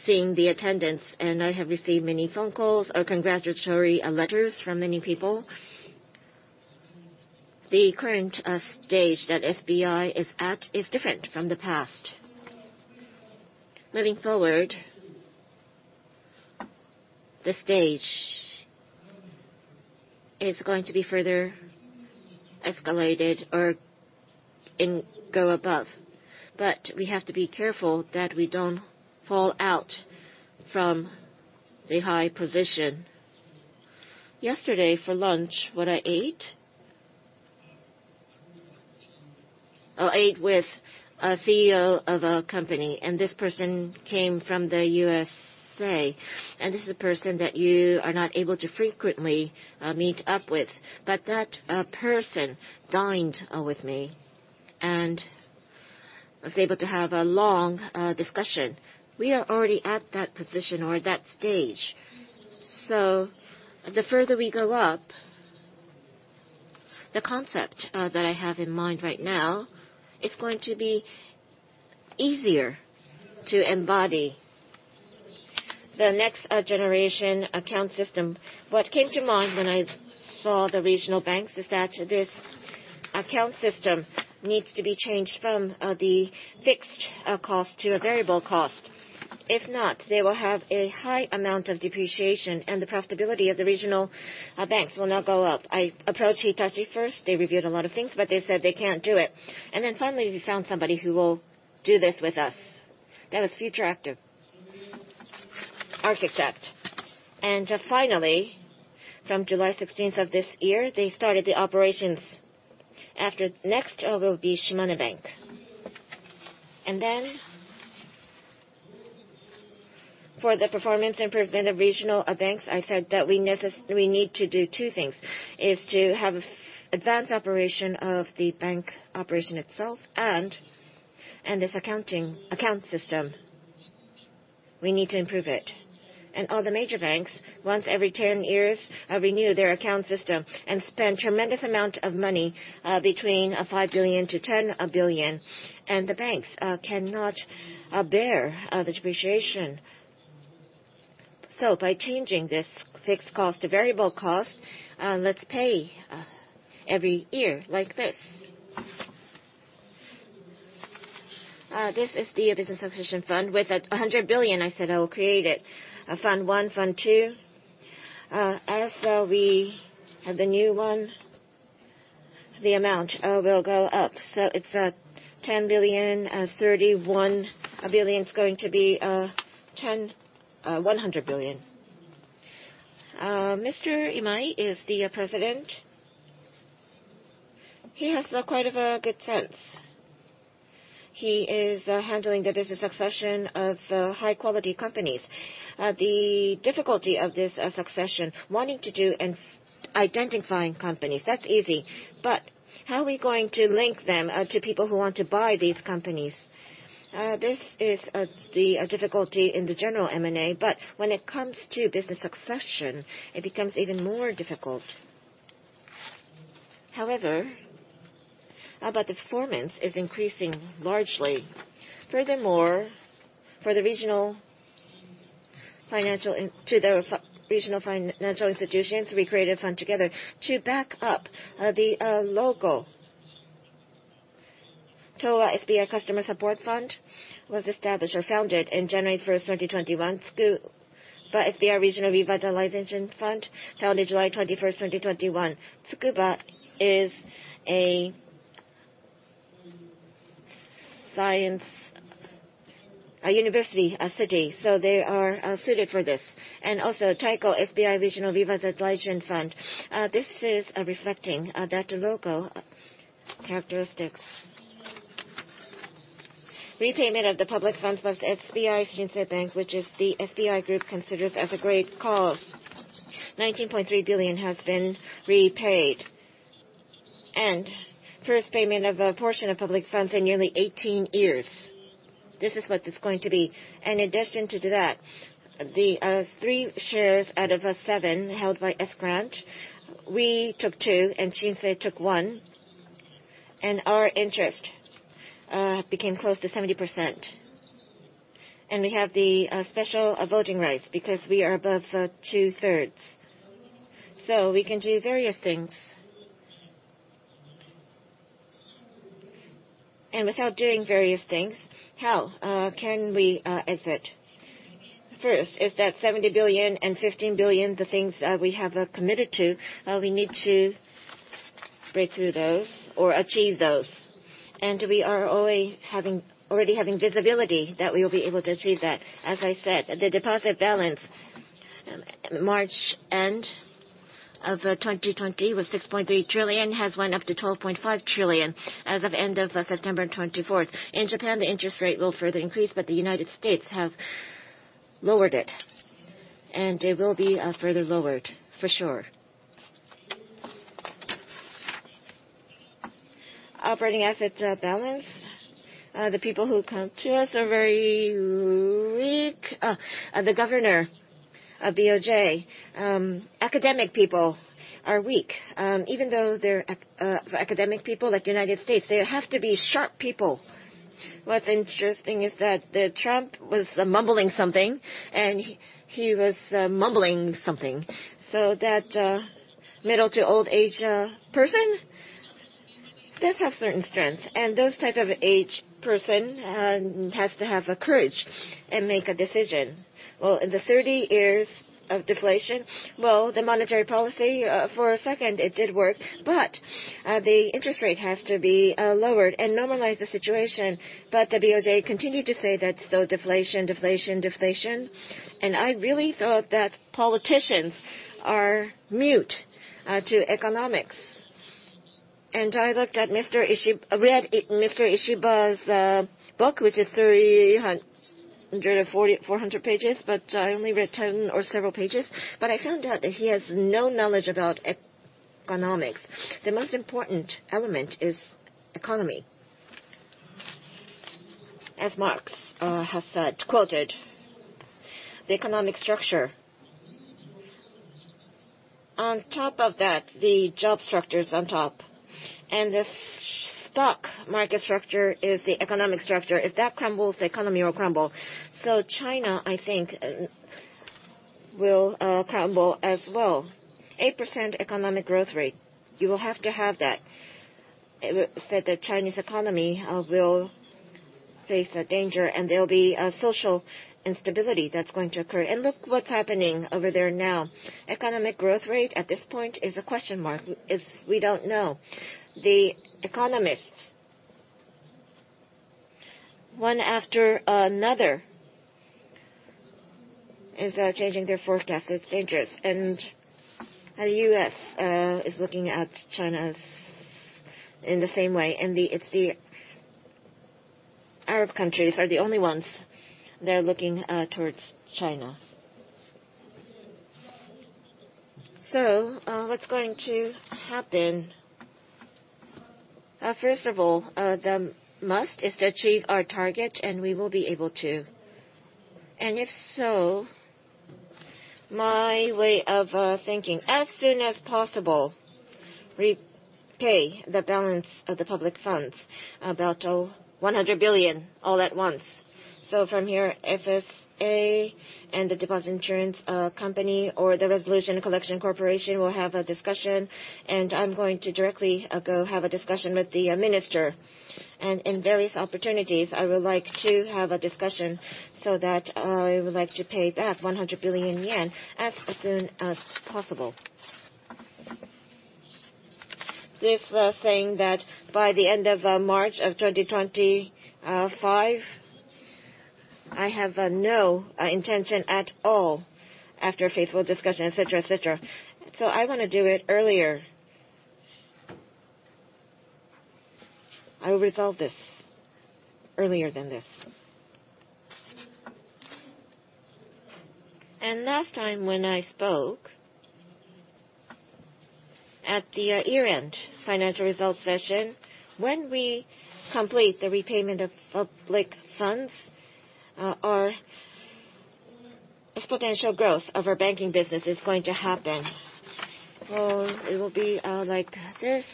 seeing the attendance. And I have received many phone calls or congratulatory letters from many people. The current stage that SBI is at is different from the past. Moving forward, the stage is going to be further escalated or go above. But we have to be careful that we don't fall out from the high position. Yesterday for lunch, what I ate, I ate with a CEO of a company. And this person came from the USA. And this is a person that you are not able to frequently meet up with. But that person dined with me and was able to have a long discussion. We are already at that position or that stage. So the further we go up, the concept that I have in mind right now is going to be easier to embody the next generation account system. What came to mind when I saw the regional banks is that this account system needs to be changed from the fixed cost to a variable cost. If not, they will have a high amount of depreciation and the profitability of the regional banks will not go up. I approached Hitachi first. They reviewed a lot of things but they said they can't do it. Then finally we found somebody who will do this with us. That was Future Architect. Finally from July 16th of this year, they started the operations. After next will be Shimane Bank. Then for the performance improvement of regional banks I said that we need to do two things: to have advanced operation of the bank operation itself. This accounting system, we need to improve it. All the major banks once every 10 years renew their account system and spend a tremendous amount of money between 5 billion-10 billion. The banks cannot bear the depreciation. By changing this fixed cost to variable cost, let's pay every year like this. This is the business acquisition fund with 100 billion. I said I will create it. Fund one, fund two. As we have the new one, the amount will go up. So it's 10 billion. 31 billion is going to be 100 billion. Mr. Imai is the president. He has quite a good sense. He is handling the business succession of high quality companies. The difficulty of this succession, wanting to do and identifying companies, that's easy. But how are we going to link them to people who want to buy these companies? This is the difficulty in the general M&A. But when it comes to business succession, it becomes even more difficult. However, but the performance is increasing largely. Furthermore, for the regional financial institutions we created a fund together to back up the local TOB. SBI Customer Support Fund was established or founded in January 1, 2021. But SBI Regional Revitalization Fund founded July 21, 2021. Tsukuba is a science and university city so they are suited for this and also Taiko SBI Regional Revitalization's advisory fund. This is reflecting that local characteristics. Repayment of the public funds of SBI Shinsei Bank, which is the SBI Group considers as a great cause. 19.3 billion has been repaid and first payment of a portion of public funds in nearly 18 years. This is what it's going to be. In addition to that, the three shares out of seven held by S-Grant we took two and Shinsei took one and our interest became close to 70%. And we have the special voting rights because we are above 2/3. So we can do various things. And without doing various things, how can we exit first? Is that 70 billion and 15 billion the things we have committed to? We need to break through those or achieve those. We are already having visibility that we will be able to achieve that. As I said, the deposit balance March end of 2020 was 6.3 trillion has went up to 12.5 trillion as of end of September 2024. In Japan, the interest rate will further increase, but the United States have lowered it and it will be further lowered for sure. Operating asset balance, the people who come to us are very weak. The governor of BoJ. Academic people are weak even though they're academic people like the United States. They have to be sharp people. What's interesting is that Trump was mumbling something and he was mumbling something. That middle to old age person does have certain strengths, and those type of age person has to have a courage and make a decision. Well, in the 30 years of deflation. Well, the monetary policy for a second it did work, but the interest rate has to be lowered and normalize the situation. But the BOJ continued to say that still deflation, deflation, deflation. And I really thought that politicians are mute to economics. And I looked at Mr. Ishiba's book which is 3,400 pages, but I only read 10 or several pages. But I found out that he has no knowledge about economics. The most important element is economy. As. Marx has said, quoted the economic structure on top of that the job structure is on top and this stock market structure is the economic structure if that crumbles, the economy will crumble. So China I think will crumble as well. 8% economic growth rate. You will have to have that, said the Chinese economy will face a danger and there will be social instability that's going to occur and look what's happening over there now. Economic growth rate at this point is a question mark as we don't know the economists one after another is changing their forecast. It's dangerous and the US is looking at China in the same way and it's the Arab countries are the only ones they're looking towards China. So what's going to happen? First of all, the must is to achieve our target and we will be able to and if so my way of thinking as soon as possible repay the balance of the public funds about 100 billion all at once. So from here, FSA and the Deposit Insurance Corporation or the Resolution and Collection Corporation will have a discussion and I'm going to directly go have a discussion with the Minister and in various opportunities I would like to have a discussion so that I would like to pay back 100 billion yen as soon as possible, this saying that by the end of March of 2025 I have no intention at all after faithful discussion etc. Etc. So, I want to do it earlier. I will resolve this earlier than this, and last time, when I spoke at the year-end financial results session, when we complete the repayment of public funds, our exponential growth of our banking business is going to happen. Oh, it will be like this.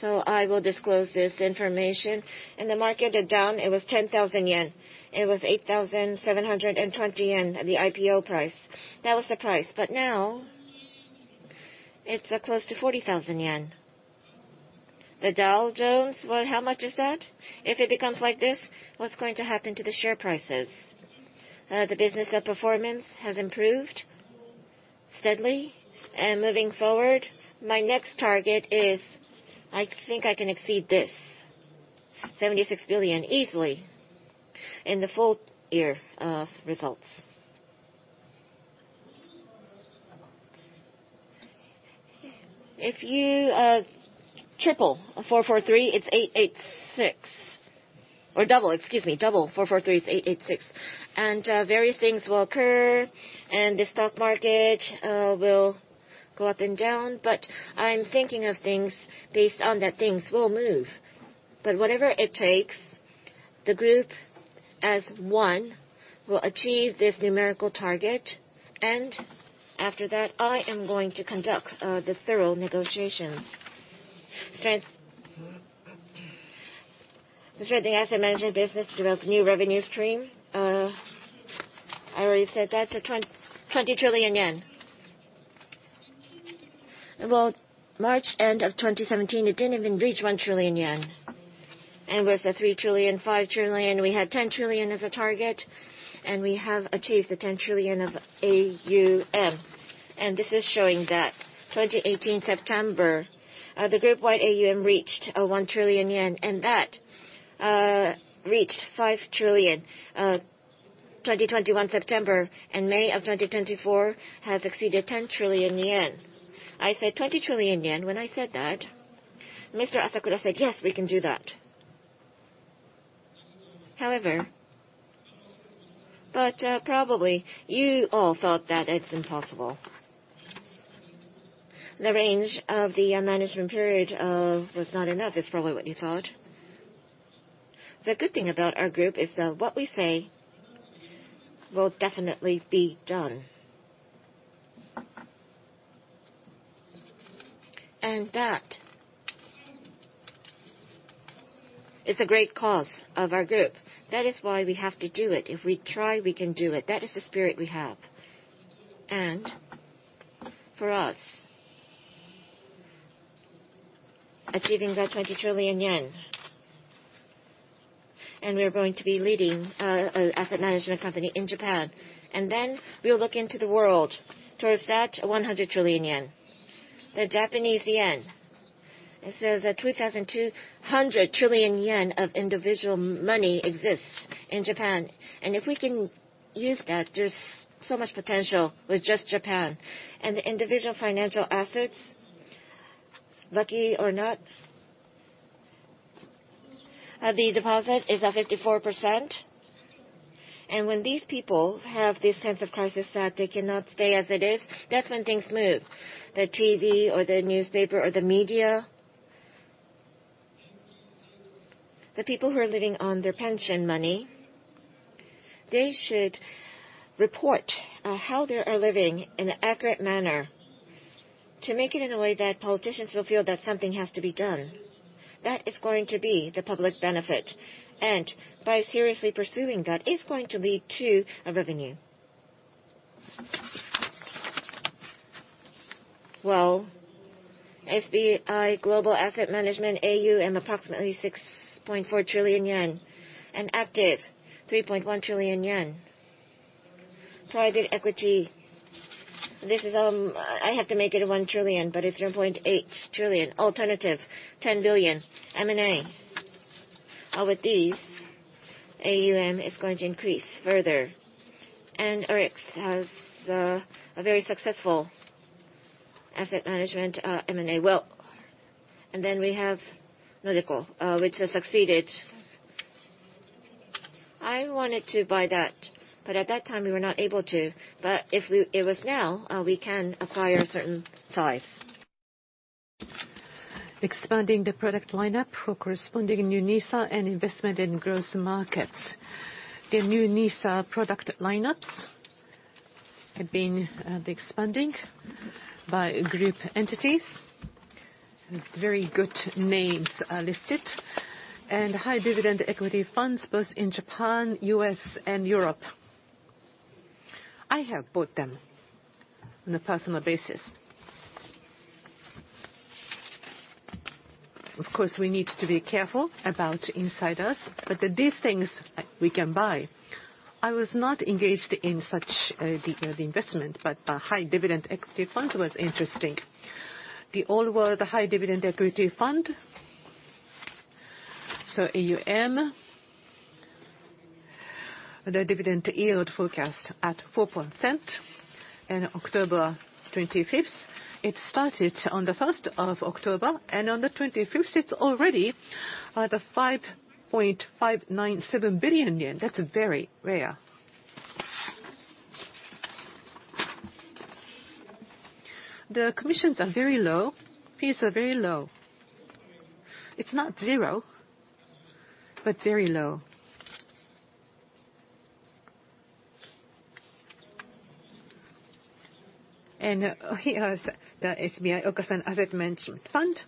So, I will disclose this information, and the market down, it was 10,000 yen. It was 8,720 yen. The IPO price, that was the price, but now it's close to 40,000 yen. The Dow Jones, how much is that? If it becomes like this, what's going to happen to the share prices? The business performance has improved steadily, and moving forward, my next target is, I think I can exceed this 76 billion easily in the full year of results. If you triple 443, it's 886. Or double, excuse me, double 443: 886. And various things will occur, and the stock market will go up and down. I'm thinking of things based on that. Things will move, but whatever it takes, the group as one will achieve this numerical target. And after that, I am going to conduct thorough negotiations, strengthen the asset management business to develop a new revenue stream. I already said that: 20 trillion yen. At the end of March 2017, it didn't even reach 1 trillion yen. With the 3 trillion, 5 trillion, we had 10 trillion as a target. We have achieved the 10 trillion of AUM. This is showing that in September 2018, the group-wide AUM reached 1 trillion yen, and that reached 5 trillion. In September 2021 and May 2024, it has exceeded 10 trillion yen. I said 20 trillion yen when I said that. Mr. Asakura said yes, we can do that. However, but probably you all thought that it's impossible. The range of the management period was not enough is probably what you thought. The good thing about our group is that what we say will definitely be done. And that. It's a great cause of our group. That is why we have to do it. If we try, we can do it. That is the spirit we have. And for us achieving that 20 trillion yen. And we are going to be leading an asset management company in Japan. And then we'll look into the world towards that 100 trillion yen, the Japanese yen. It says that 2,200 trillion yen of individual money exists in Japan. And if we can use that, there's so much potential with just Japan and the individual financial assets. Lucky or not, the deposit is a 54%. And when these people have this sense of crisis that they cannot stay as it is. That's when things move. The TV or the newspaper or the media, the people who are living on their pension money, they should report how they are living in an accurate manner to make it in a way that politicians will feel that something has to be done that is going to be the public benefit, and by seriously pursuing that is going to lead to a revenue. SBI Global Asset Management AUM approximately 6.4 trillion yen and active 3.1 trillion yen private equity. I have to make it one trillion but it's 0.8 trillion alternatives 10 billion M&A. With these AUM is going to increase further. ORIX has a very successful asset management M&A, well, and then we have Nikko, which has succeeded. I wanted to buy that, but at that time we were not able to. If it was now we can acquire certain size. Expanding the product lineup for corresponding new NISA and investment in growth markets. The new NISA product lineups have been expanding by group entities, very good names listed and high dividend equity funds both in Japan, U.S. and Europe. I have bought them on a personal basis. Of course we need to be careful about insiders. But these things we can buy. I was not engaged in such the investment but the high dividend equity fund was interesting, the Old World High Dividend Equity Fund. So, the dividend yield forecast at 4% and October 25th it started on the 1st of October and on the 25th it's already 5.597 billion yen, that's very rare. The commissions are very low. Fees are very low. It's not zero, but very low. And here's the SBI Okasan as I mentioned fund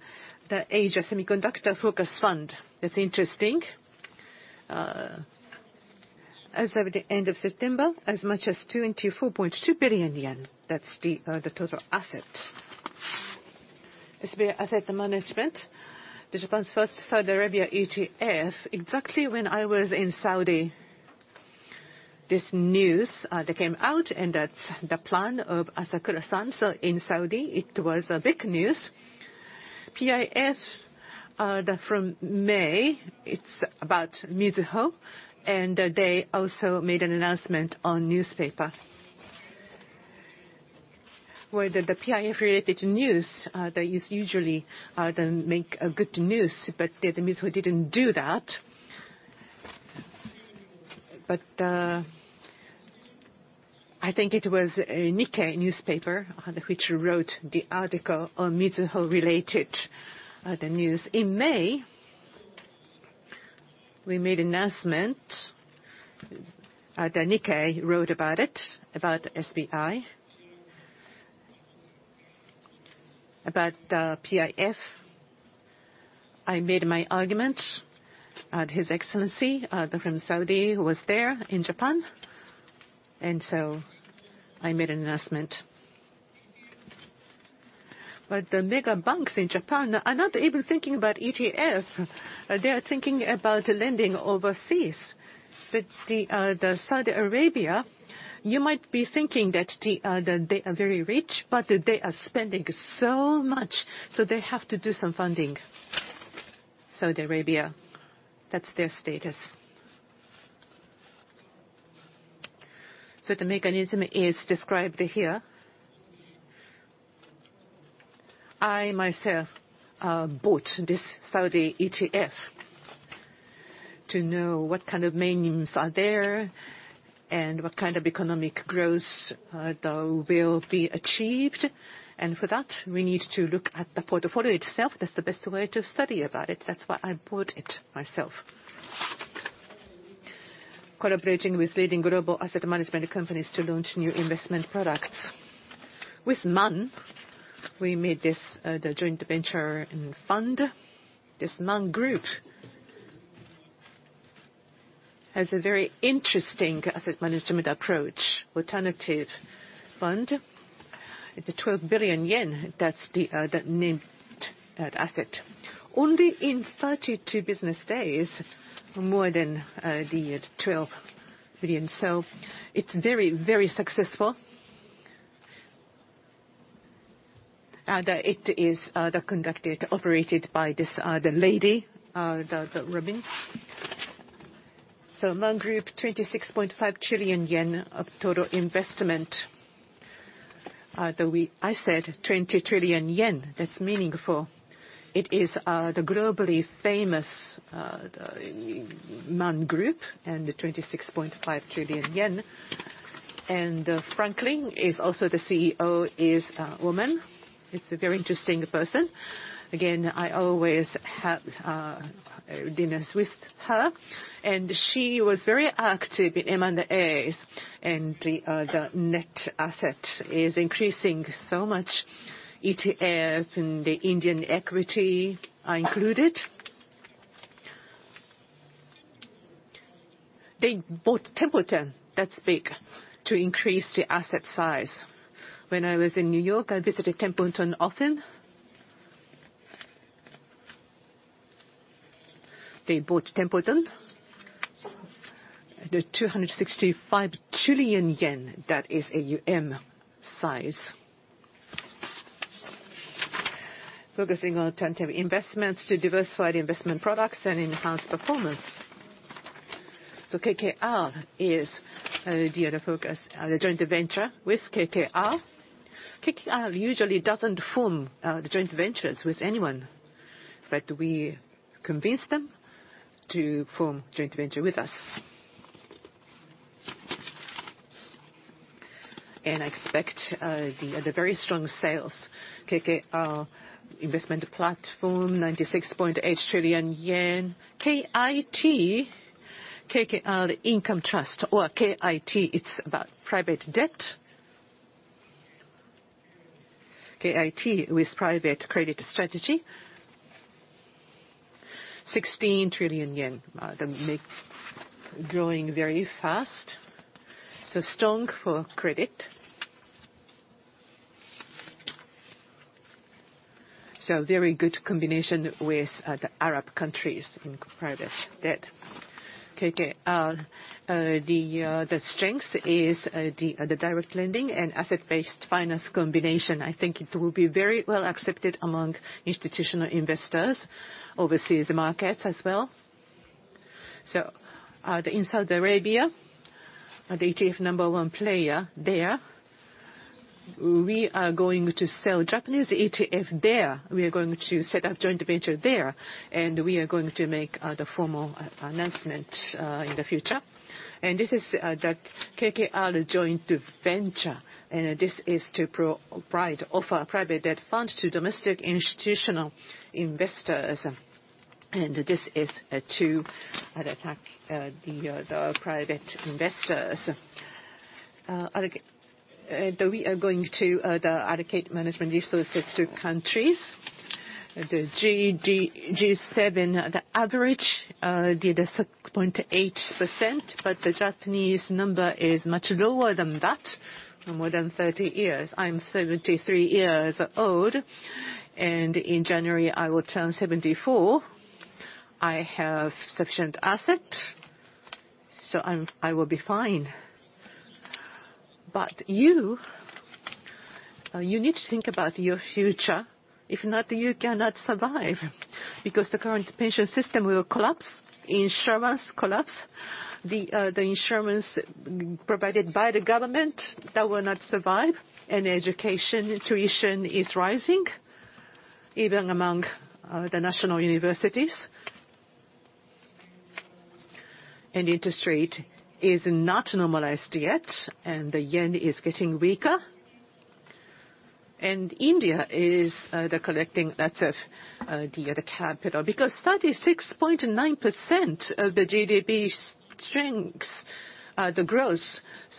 the Asia Semiconductor Focus Fund, that's interesting. As of the end of. September, as much as 24.2 billion yen. That's the total asset SBI Asset Management Japan's first Saudi Arabia ETF exactly when I was in Saudi this news that came out and that's the plan of Asakura-san so in Saudi it was a big news PIF from May it's about Mizuho and they also made an announcement on newspaper whether the PIF related news that is usually make a good news but the Mizuho didn't do that. But. I think it was a Nikkei newspaper which wrote the article on Mizuho related to the news. In May we made an announcement. Nikkei wrote about it about SBI about PIF. I made my argument. His Excellency from Saudi Arabia was there in Japan, and so I made an announcement, but the mega banks in Japan are not even thinking about ETF. They are thinking about lending overseas. Saudi Arabia, you might be thinking that they are very rich, but they are spending so much, so they have to do some funding. Saudi Arabia, that's their status, so the mechanism is described here. I myself bought this Saudi ETF to know what kind of minimums are there and what kind of economic growth will be achieved, and for that we need to look at the portfolio itself. That's the best way to study about it. That's why I bought it myself. Collaborating with leading global asset management companies to launch new investment products with Man we made this the joint venture fund this. Man Group. Has a very interesting asset management approach. Alternative fund the 12 billion JPY. That's the name. That asset only in 32 business days more than the 12 billion JPY, so it's very very successful. It is conducted operated by this, the. Lady. Man Group 26.5 trillion yen of total investment. I said 20 trillion yen. That's meaningful. It is the globally famous Man Group and the 26.5 trillion yen and Franklin is also the CEO is woman it's a very interesting person again I always had dinners with her and she was very active in M&As. And the net asset is increasing so much ETF and the Indian equity are included. They bought Templeton. That's big to increase the asset size. When I was in New York, I visited Templeton often. They bought Templeton the 265 billion yen. That is an AUM size focusing on alternative investments to diversify the investment products and enhance performance. KKR is the other focus. The joint venture with KKR. KKR usually doesn't form the joint ventures with anyone. But we convince them to form joint venture with us. I expect the very strong sales. KKR investment platform 96.8 trillion yen. KIT, KKR Income Trust or KIT. It's about private debt. KIT with private credit strategy JPY 16 trillion growing very fast. Strong for credit. Very good combination with the Arab countries in private debt. The strength is the direct lending and asset based finance combination. I think it will be very well accepted among institutional investors overseas markets as well. In Saudi Arabia, the ETF number one player there. We are going to sell Japanese ETF there. We are going to set up joint venture there. We are going to make the formal announcement in the future. This is that KKR joint venture and this is to provide offer private debt fund to domestic institutional investors. This is to attract the private investors. We are going to allocate management resources to countries. The G7 average did 6.8%, but the Japanese number is much lower than that more than 30 years. I'm 73 years old and in January I will turn 74. I have sufficient assets so I will be fine. But you. You need to think about your future. If not, you cannot survive because the current pension system will collapse. Insurance collapse. The insurance provided by the government that will not survive, and education tuition is rising even among the national universities, and interest rate is not normalized yet, and the yen is getting weaker, and India is attracting lots of other capital. Because 36.9% of the GDP strengths the growth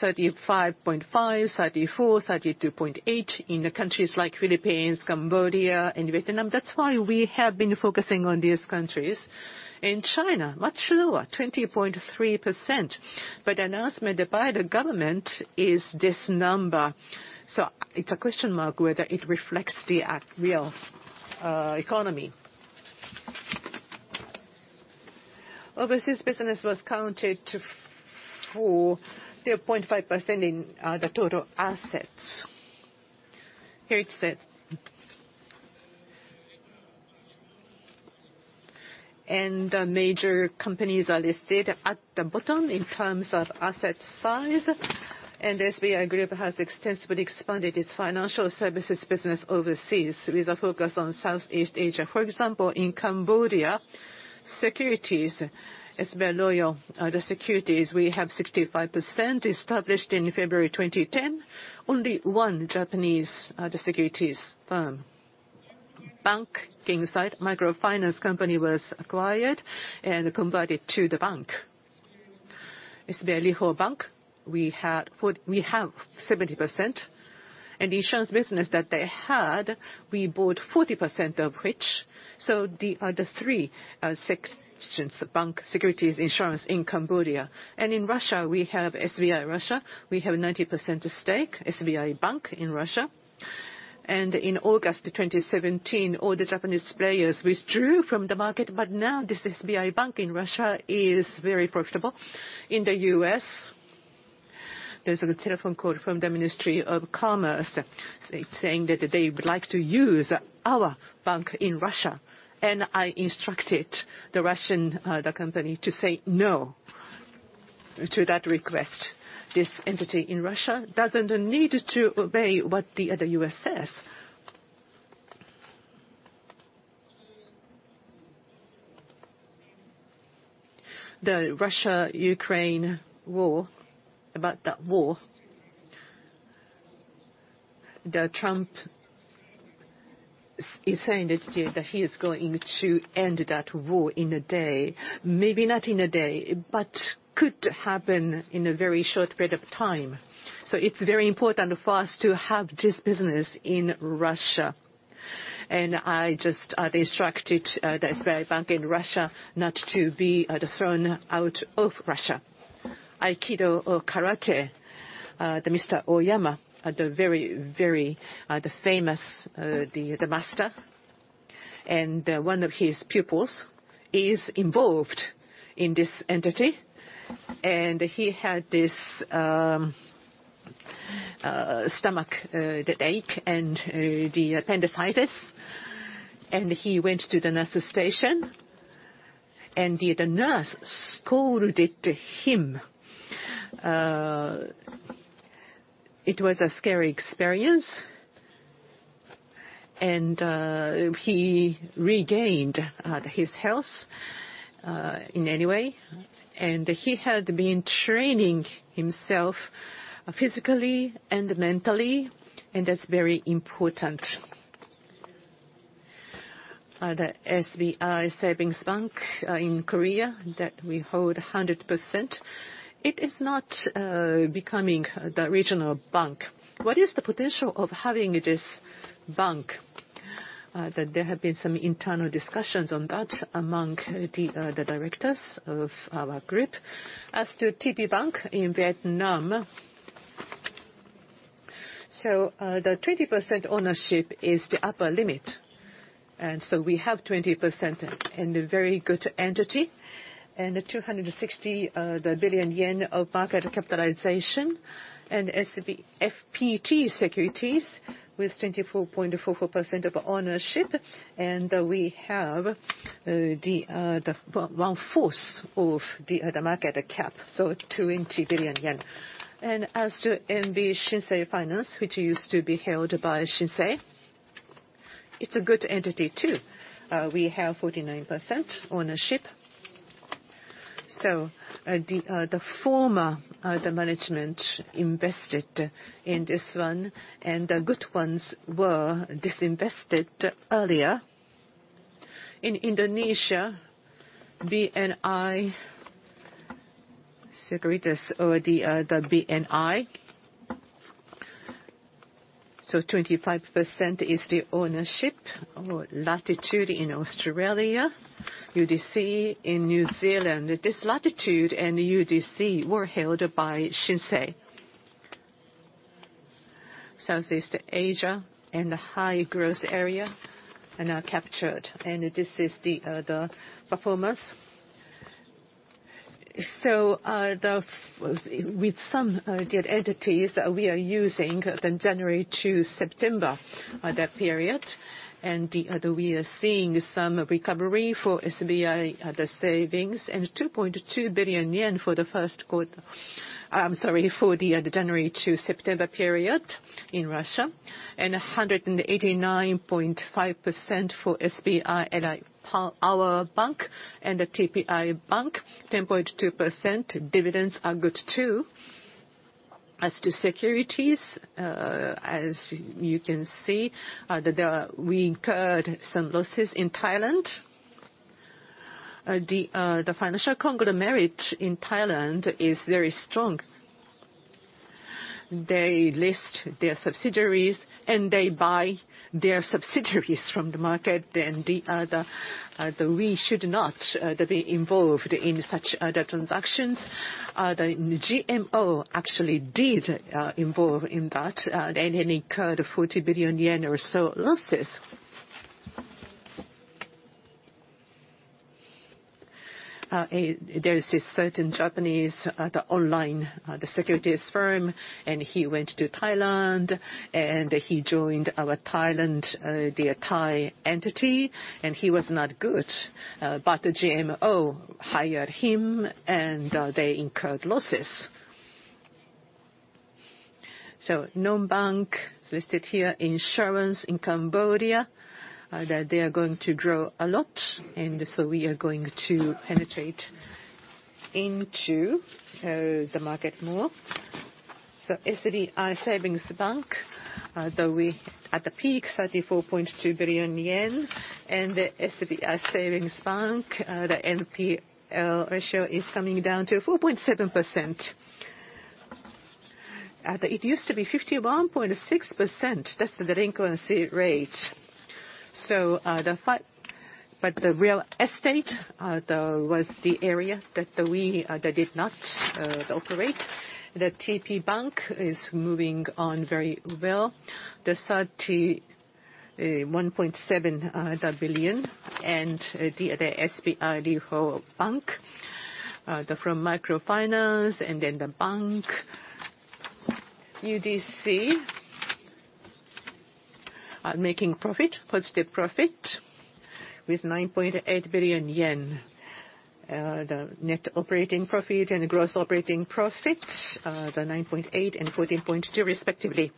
35.5%, 34%, 32.8% in the countries like Philippines, Cambodia and Vietnam. That's why we have been focusing on these countries. In China much lower 20.3%. But announcement by the government is this number. So it's a question mark whether it reflects the real economy. Overseas business was counted for 0.5% in the total assets, here it says. And major companies are listed at the bottom in terms of asset size. And SBI Group has extensively expanded its financial services business overseas with a focus on Southeast Asia, for example, in Cambodia, securities is very loyal. The securities we have 65% established. In February 2010, only one Japanese securities firm, SBI LY HOUR Bank Micro Finance Co., was acquired and converted to the bank. It's merely for bank. We had what we have 70% and insurance business that they had, we bought 40% of which. So the other three sections of bank securities insurance in Cambodia and in Russia we have SBI Russia. We have a 90% stake. SBI Bank in Russia. In August 2017, all the Japanese players withdrew from the market. Now this SBI bank in Russia is very profitable. In the U.S., there's a telephone call from the Ministry of Commerce saying that they would like to use our bank in Russia. I instructed the Russian company to say no to that request. This entity in Russia doesn't need to obey what the U.S. says. The Russia-Ukraine war. About that war, Trump is saying that he is going to end that war in a day. Maybe not in a day, but it could happen in a very short period of time. It's very important for us to have this business in Russia. I just instructed the SBI bank in Russia not to be thrown out of Russia. Aikido, karate, the Mr. Oyama, the very famous. The master and one of his pupils is involved in this entity, and he had this stomachache and the appendicitis. He went to the nurse station, and the nurse scolded him. It was a scary experience, and he regained his health anyway. He had been training himself physically and mentally, and that's very important. The SBI Savings Bank in Korea that we hold 100% it is not becoming the regional bank. What is the potential of having this bank that. There have been some internal discussions on that among the directors of our Group. As to TPBank in Vietnam. So. The 20% ownership is the upper limit. We have 20% and a very good entity. 260 billion yen of market capitalization. SBI Securities with 24.44% of ownership. We have the 1/4 of the market cap. 20 billion yen. As to MB Shinsei Finance, which used to be held by Shinsei, it's a good entity too. We have 49% ownership. The former, the management invested in this one and the good ones were disinvested earlier in Indonesia, BNI Sekuritas or the BNI. 25% is the ownership or Latitude in Australia, UDC in New Zealand, this Latitude and UDC were held by Shinsei Southeast Asia and the high growth area and are captured and this is the performance. With some entities that we are using from January to September that period and we are seeing some recovery. For SBI the savings and 2.2 billion yen for the first quarter. Sorry for the January to September period in Russia and 189.5% for SBI our bank and the TPBank 10.2%. Dividends are good too. As to securities, as you can see that we incurred some losses in Thailand. The financial concrete merit in Thailand is very strong. They list their subsidiaries and they buy their subsidiaries from the market and the other we should not be involved in such transactions. The GMO actually did involve in that any cut of 40 billion yen or so last this. There is a certain Japanese, the online securities firm and he went to Thailand and he joined our Thailand, the Thai entity and he was not good. But the GMO hired him and they incurred losses. So, no bank listed here. Insurance in Cambodia, they are going to grow a lot, and so we are going to penetrate into the market more. So, our SBI Savings Bank, though we at the peak 34.2 billion yen, and the SBI Savings Bank, the NP ratio is coming down to 4.7%. It used to be 51.6%. That's the delinquency rate. So, the fight, but the real estate was the area that we did not operate. The TPBank is moving on very well. The 31.7 billion, and the other SBI our bank, the former Microfinance, and then the Bank UDC are making positive profit with 9.8 billion yen. The net operating profit and gross operating profit the 9.8 and 14.2 respectively.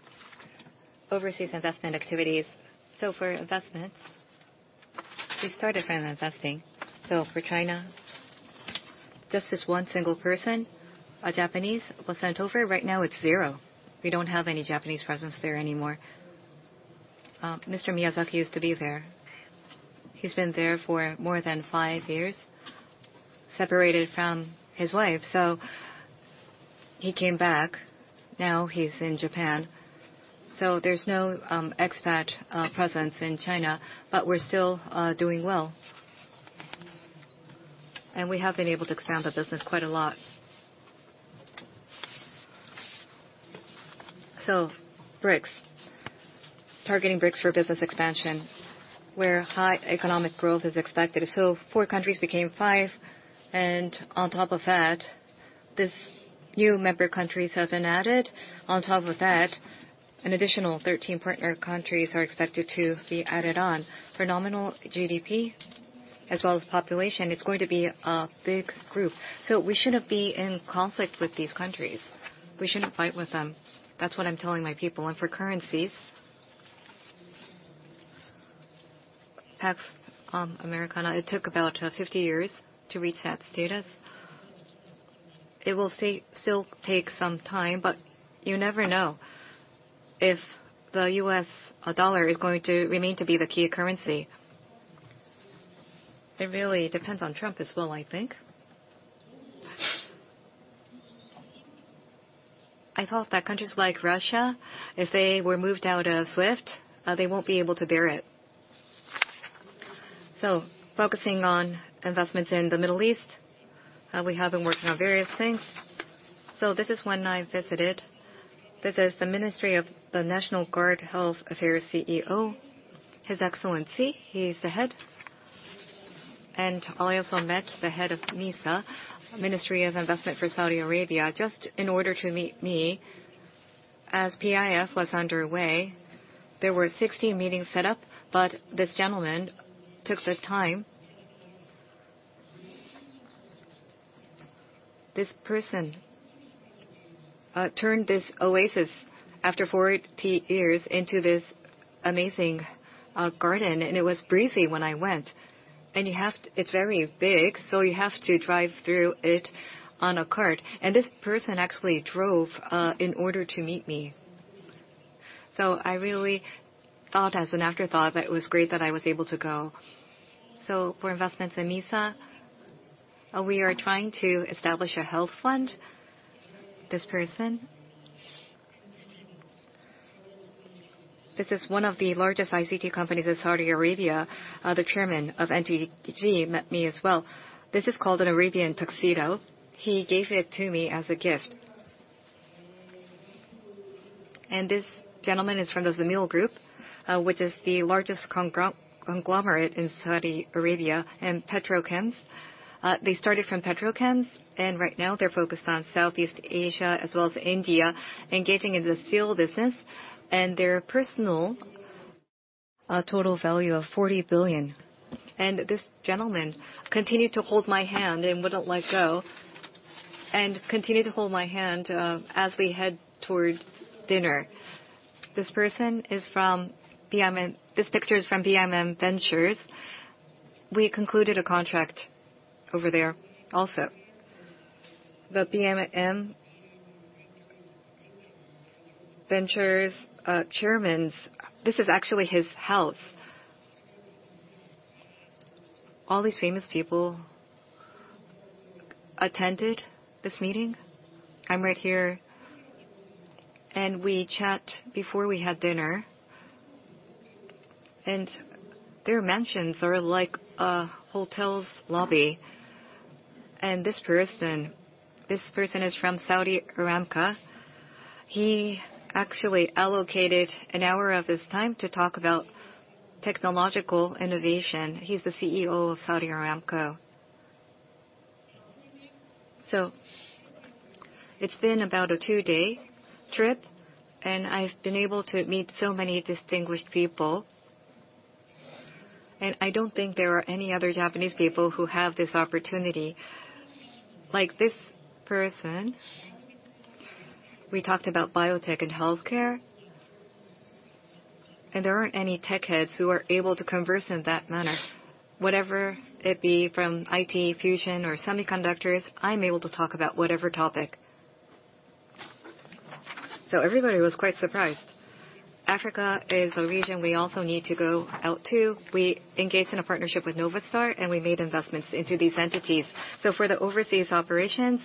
Overseas investment activities. So for investment he started from investing. So for China just this one single person, a Japanese was sent over. Right now it's zero. We don't have any Japanese presence there anymore. Mr. Miyazaki used to be there. He's been there for more than five years separated from his wife. So he came back. Now he's in Japan. So there's no expat presence in China. But we're still doing well and we have been able to expand the business quite a lot. So BRICS targeting BRICS for business expansion where high economic growth is expected. So four countries became five and on top of that this new member countries have been added. On top of that an additional 13 partner countries are expected to be added on for nominal GDP as well as population. It's going to be a big group so we shouldn't be in conflict with these countries. We shouldn't fight with them. That's what I'm telling my people, and for currencies Pax Americana it took about 50 years to reach that status. It will still take some time but you never know if the U.S. dollar is going to remain to be the key currency. It really depends on Trump as well, I think. I thought that countries like Russia, if they were moved out of SWIFT, they won't be able to bear it, so focusing on investments in the Middle East we have been working on various things, so this is one I visited. This is the Ministry of National Guard - Health Affairs CEO, His Excellency. He's the head, and I also met the head of MISA, Ministry of Investment for Saudi Arabia, just in order to meet me as PIF was underway. There were 16 meetings set up, but this gentleman took this time. This person turned this oasis after 40 years into this amazing garden, and it was breezy when I went and you have. It's very big, so you have to drive through it on a cart, and this person actually drove in order to meet me. I really thought as an afterthought that it was great that I was able to go. For investments in MISA, we are trying to establish a health fund. This person; this is one of the largest ICT companies in Saudi Arabia. The chairman of Uncertain met me as well. This is called an Arabian Tuxedo. He gave it to me as a gift. This gentleman is from the Zamil Group which is the largest conglomerate in Saudi Arabia and petrochemicals. They started from petrochemicals and right now they're focused on Southeast Asia as well as India engaging in the steel business and their personnel a total value of 40 billion. This gentleman continued to hold my hand and wouldn't let go and continue to hold my hand as we head toward dinner. This person is from BIN. This picture is from BIM Ventures. We concluded a contract over there. Also the BIM Ventures chairman's house; this is actually his house. All these famous people attended this meeting. I'm right here and we chat before we had dinner. Their mansions are like a hotel's lobby. This person, this person is from Saudi Aramco. He actually allocated an hour of his time to talk about technological innovation. He's the CEO of Saudi Aramco. So it's been about a two-day trip and I've been able to meet so many distinguished people and I don't think there are any other Japanese people who have this opportunity like this person. We talked about biotech and healthcare and there aren't any tech heads who are able to converse in that manner. Whatever it be from IT fusion or semiconductors, I'm able to talk about whatever topic. So everybody was quite surprised. Africa is a region we also need to go out to. We engaged in a partnership with Novastar and we made investments into these entities. So for the overseas operations,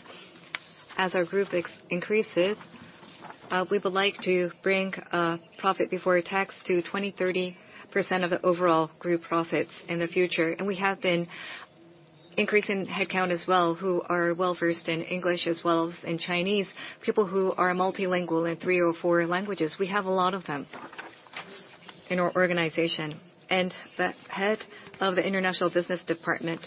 as our group increases, we would like to bring profit before tax to 20-30% of the overall group profits in the future. We have been increasing headcount as well, who are well versed in English as well as in Chinese. People who are multilingual in three or four languages. We have a lot of them in our organization, and the head of the International Business department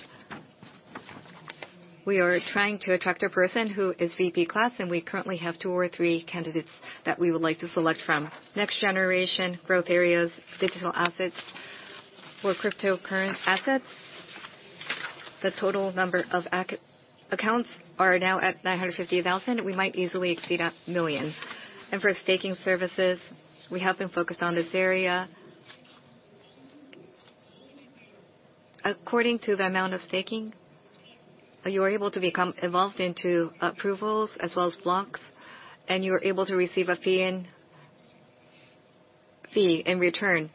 we are trying to attract a person who is VP class, and we currently have two or three candidates that we would like to select from next generation growth areas. Digital assets for cryptocurrency assets, the total number of accounts are now at 950,000. We might easily exceed a million. For staking services, we have been focused on this area according to the amount of staking. You are able to become involved into approvals as well as blocks, and you are able to receive a fee in return.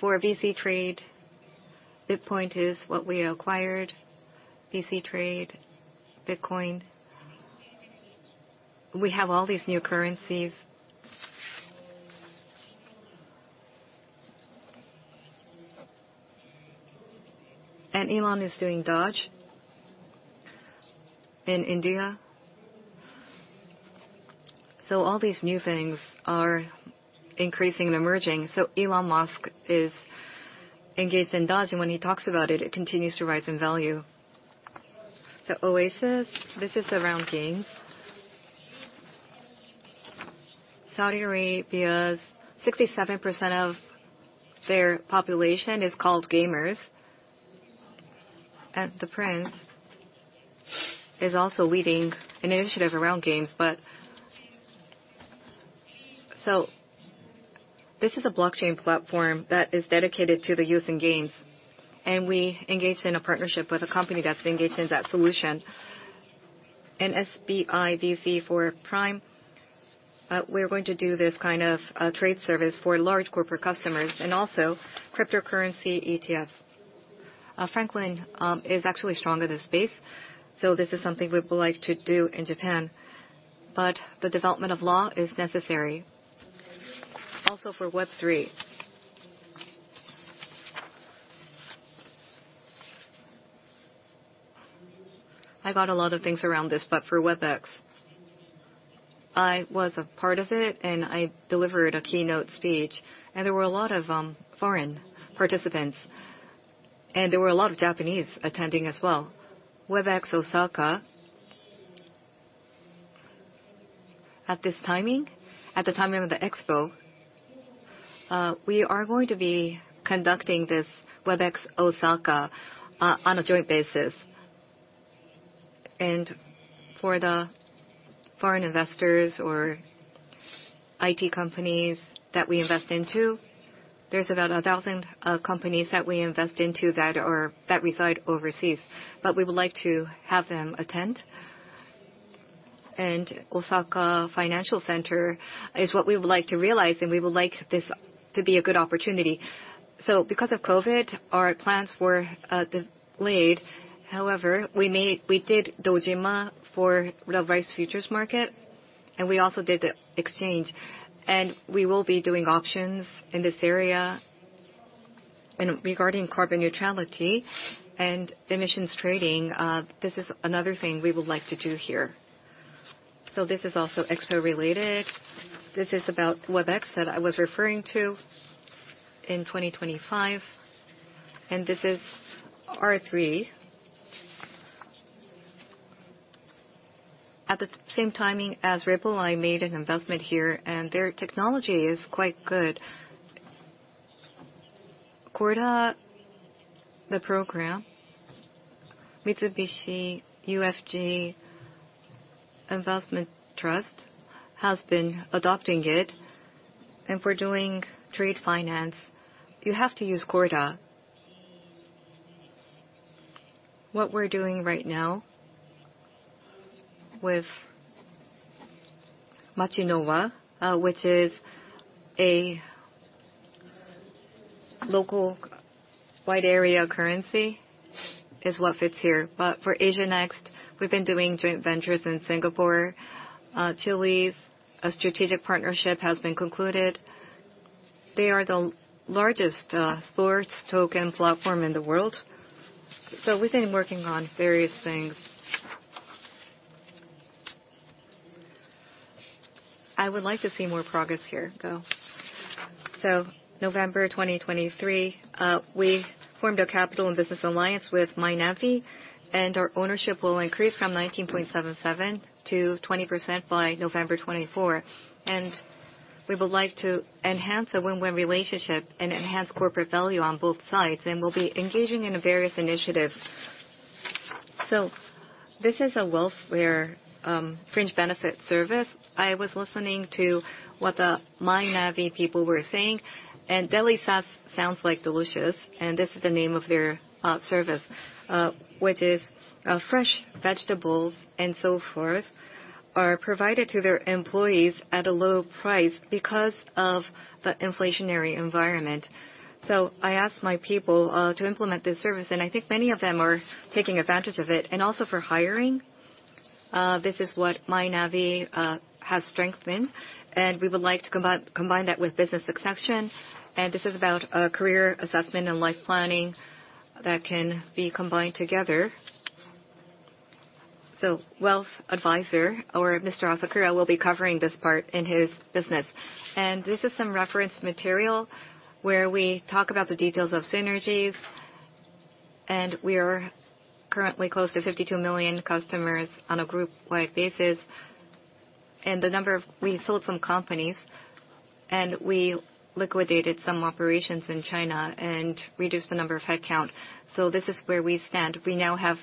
For VC Trade, BitPoint is what we acquired. VC Trade, Bitcoin, we have all these new currencies. And Elon is doing Dogecoin in India. So all these new things are increasing and emerging. So Elon Musk is engaged in Dogecoin when he talks about it, it continues to rise in value. Oasys, this is around games. Saudi Arabia's 67% of their population is called gamers. And the Prince is also leading initiative around games. But so this is a blockchain platform that is dedicated to the use in games. And we engaged in a partnership with a company that's engaged in that solution, an SBI VC Trade for Prime. We're going to do this kind of trade service for large corporate customers and also cryptocurrency ETFs. Franklin is actually stronger than SPACs. So this is something we would like to do in Japan. But the development of law is necessary. Also for Web3. I got a lot of things around this. But for WebX I was a part of it and I delivered a keynote speech and there were a lot of foreign participants and there were a lot of Japanese attending as well. WebX Osaka at this timing, at the time of the Expo, we are going to be conducting this WebX Osaka on a joint basis and for the foreign investors or IT companies that we invest into. There's about a thousand companies that we invest into that reside overseas but we would like to have them attend and Osaka financial center is what we would like to realize and we would like this to be a good opportunity. So because of COVID our plans were delayed. However, we did Dojima for Rice Futures Market and we also did the exchange and we will be doing options in this area and regarding carbon neutrality and emissions trading, this is another thing we would like to do here. This is also Expo related. This is about WebX that I was referring to in 2025 and this is R3. At the same timing as Ripple I made an investment here and their technology is quite good. Corda, the program Mitsubishi UFJ Trust and Banking has been adopting it and for doing trade finance you have to use Corda. What we're doing right now with Machinowa which is a local wide area currency is what fits here. But for AsiaNext we've been doing joint ventures in Singapore, Chiliz. Strategic partnership has been concluded. They are the largest sports token platform in the world. We've been working on various things. I would like to see more progress here. Go. November 2023 we formed a capital and business alliance with Mynavi and our ownership will increase from 19.77% to 20% by November 24th. We would like to enhance a win-win relationship and enhance corporate value on both sides and we'll be engaging in various initiatives. This is a welfare fringe benefit service. I was listening to what the Mynavi people were saying and Uncertain sounds like delicious. This is the name of their service which is fresh vegetables and so forth are provided to their employees at a low price because of the inflationary environment. I asked my people to implement this service and I think many of them are taking advantage of it and also for hiring. This is what MyNavi has strengthened, and we would like to combine that with business succession, and this is about career assessment and life planning that can be combined together, so Wealth Advisor or Mr. Asakura will be covering this part in his business, and this is some reference material where we talk about the details of synergies, and we are currently close to 52 million customers on a group-wide basis, and the number of we sold some companies and we liquidated some operations in China and reduced the number of headcount, so this is where we stand. We now have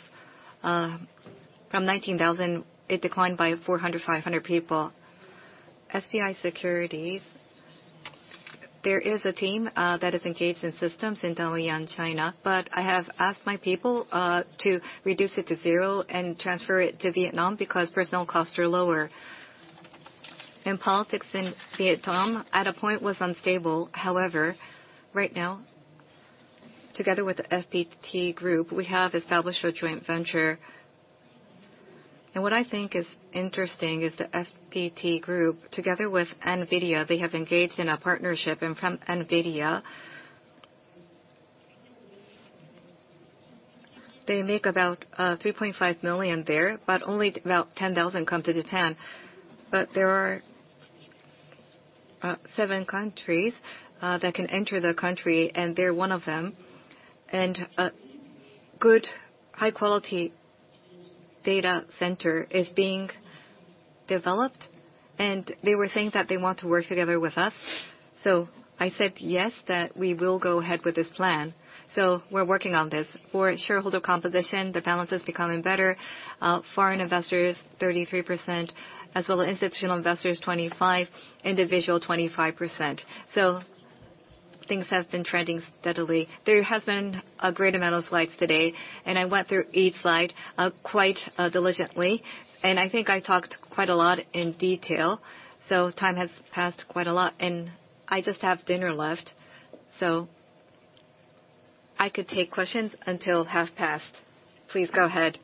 from 19,000; it declined by 400-500 people. SBI Securities; there is a team that is engaged in systems in Dalian and China, but I have asked my people to reduce it to zero and transfer it to Vietnam. Because personnel costs are lower in politics in Vietnam at a point was unstable. However, right now, together with the FPT Group, we have established a joint venture, and what I think is interesting is the FPT Group together with Nvidia. They have engaged in a partnership, and from Nvidia, they make about 3.5 million there, but only about 10,000 come to Japan. There are seven countries that can enter the country, and they're one of them, and good high quality data center is being developed. They were saying that they want to work together with us, so I said yes, that we will go ahead with this plan, so we're working on this. For shareholder composition, the balance is becoming better. Foreign investors 33% as well as institutional investors 25%, individual 25%. Things have been trending steadily. There has been a great amount of slides today and I went through each slide quite diligently and I think I talked quite a lot in detail. So time has passed quite a lot and I just have dinner left, so I could take questions until half past. Please go ahead.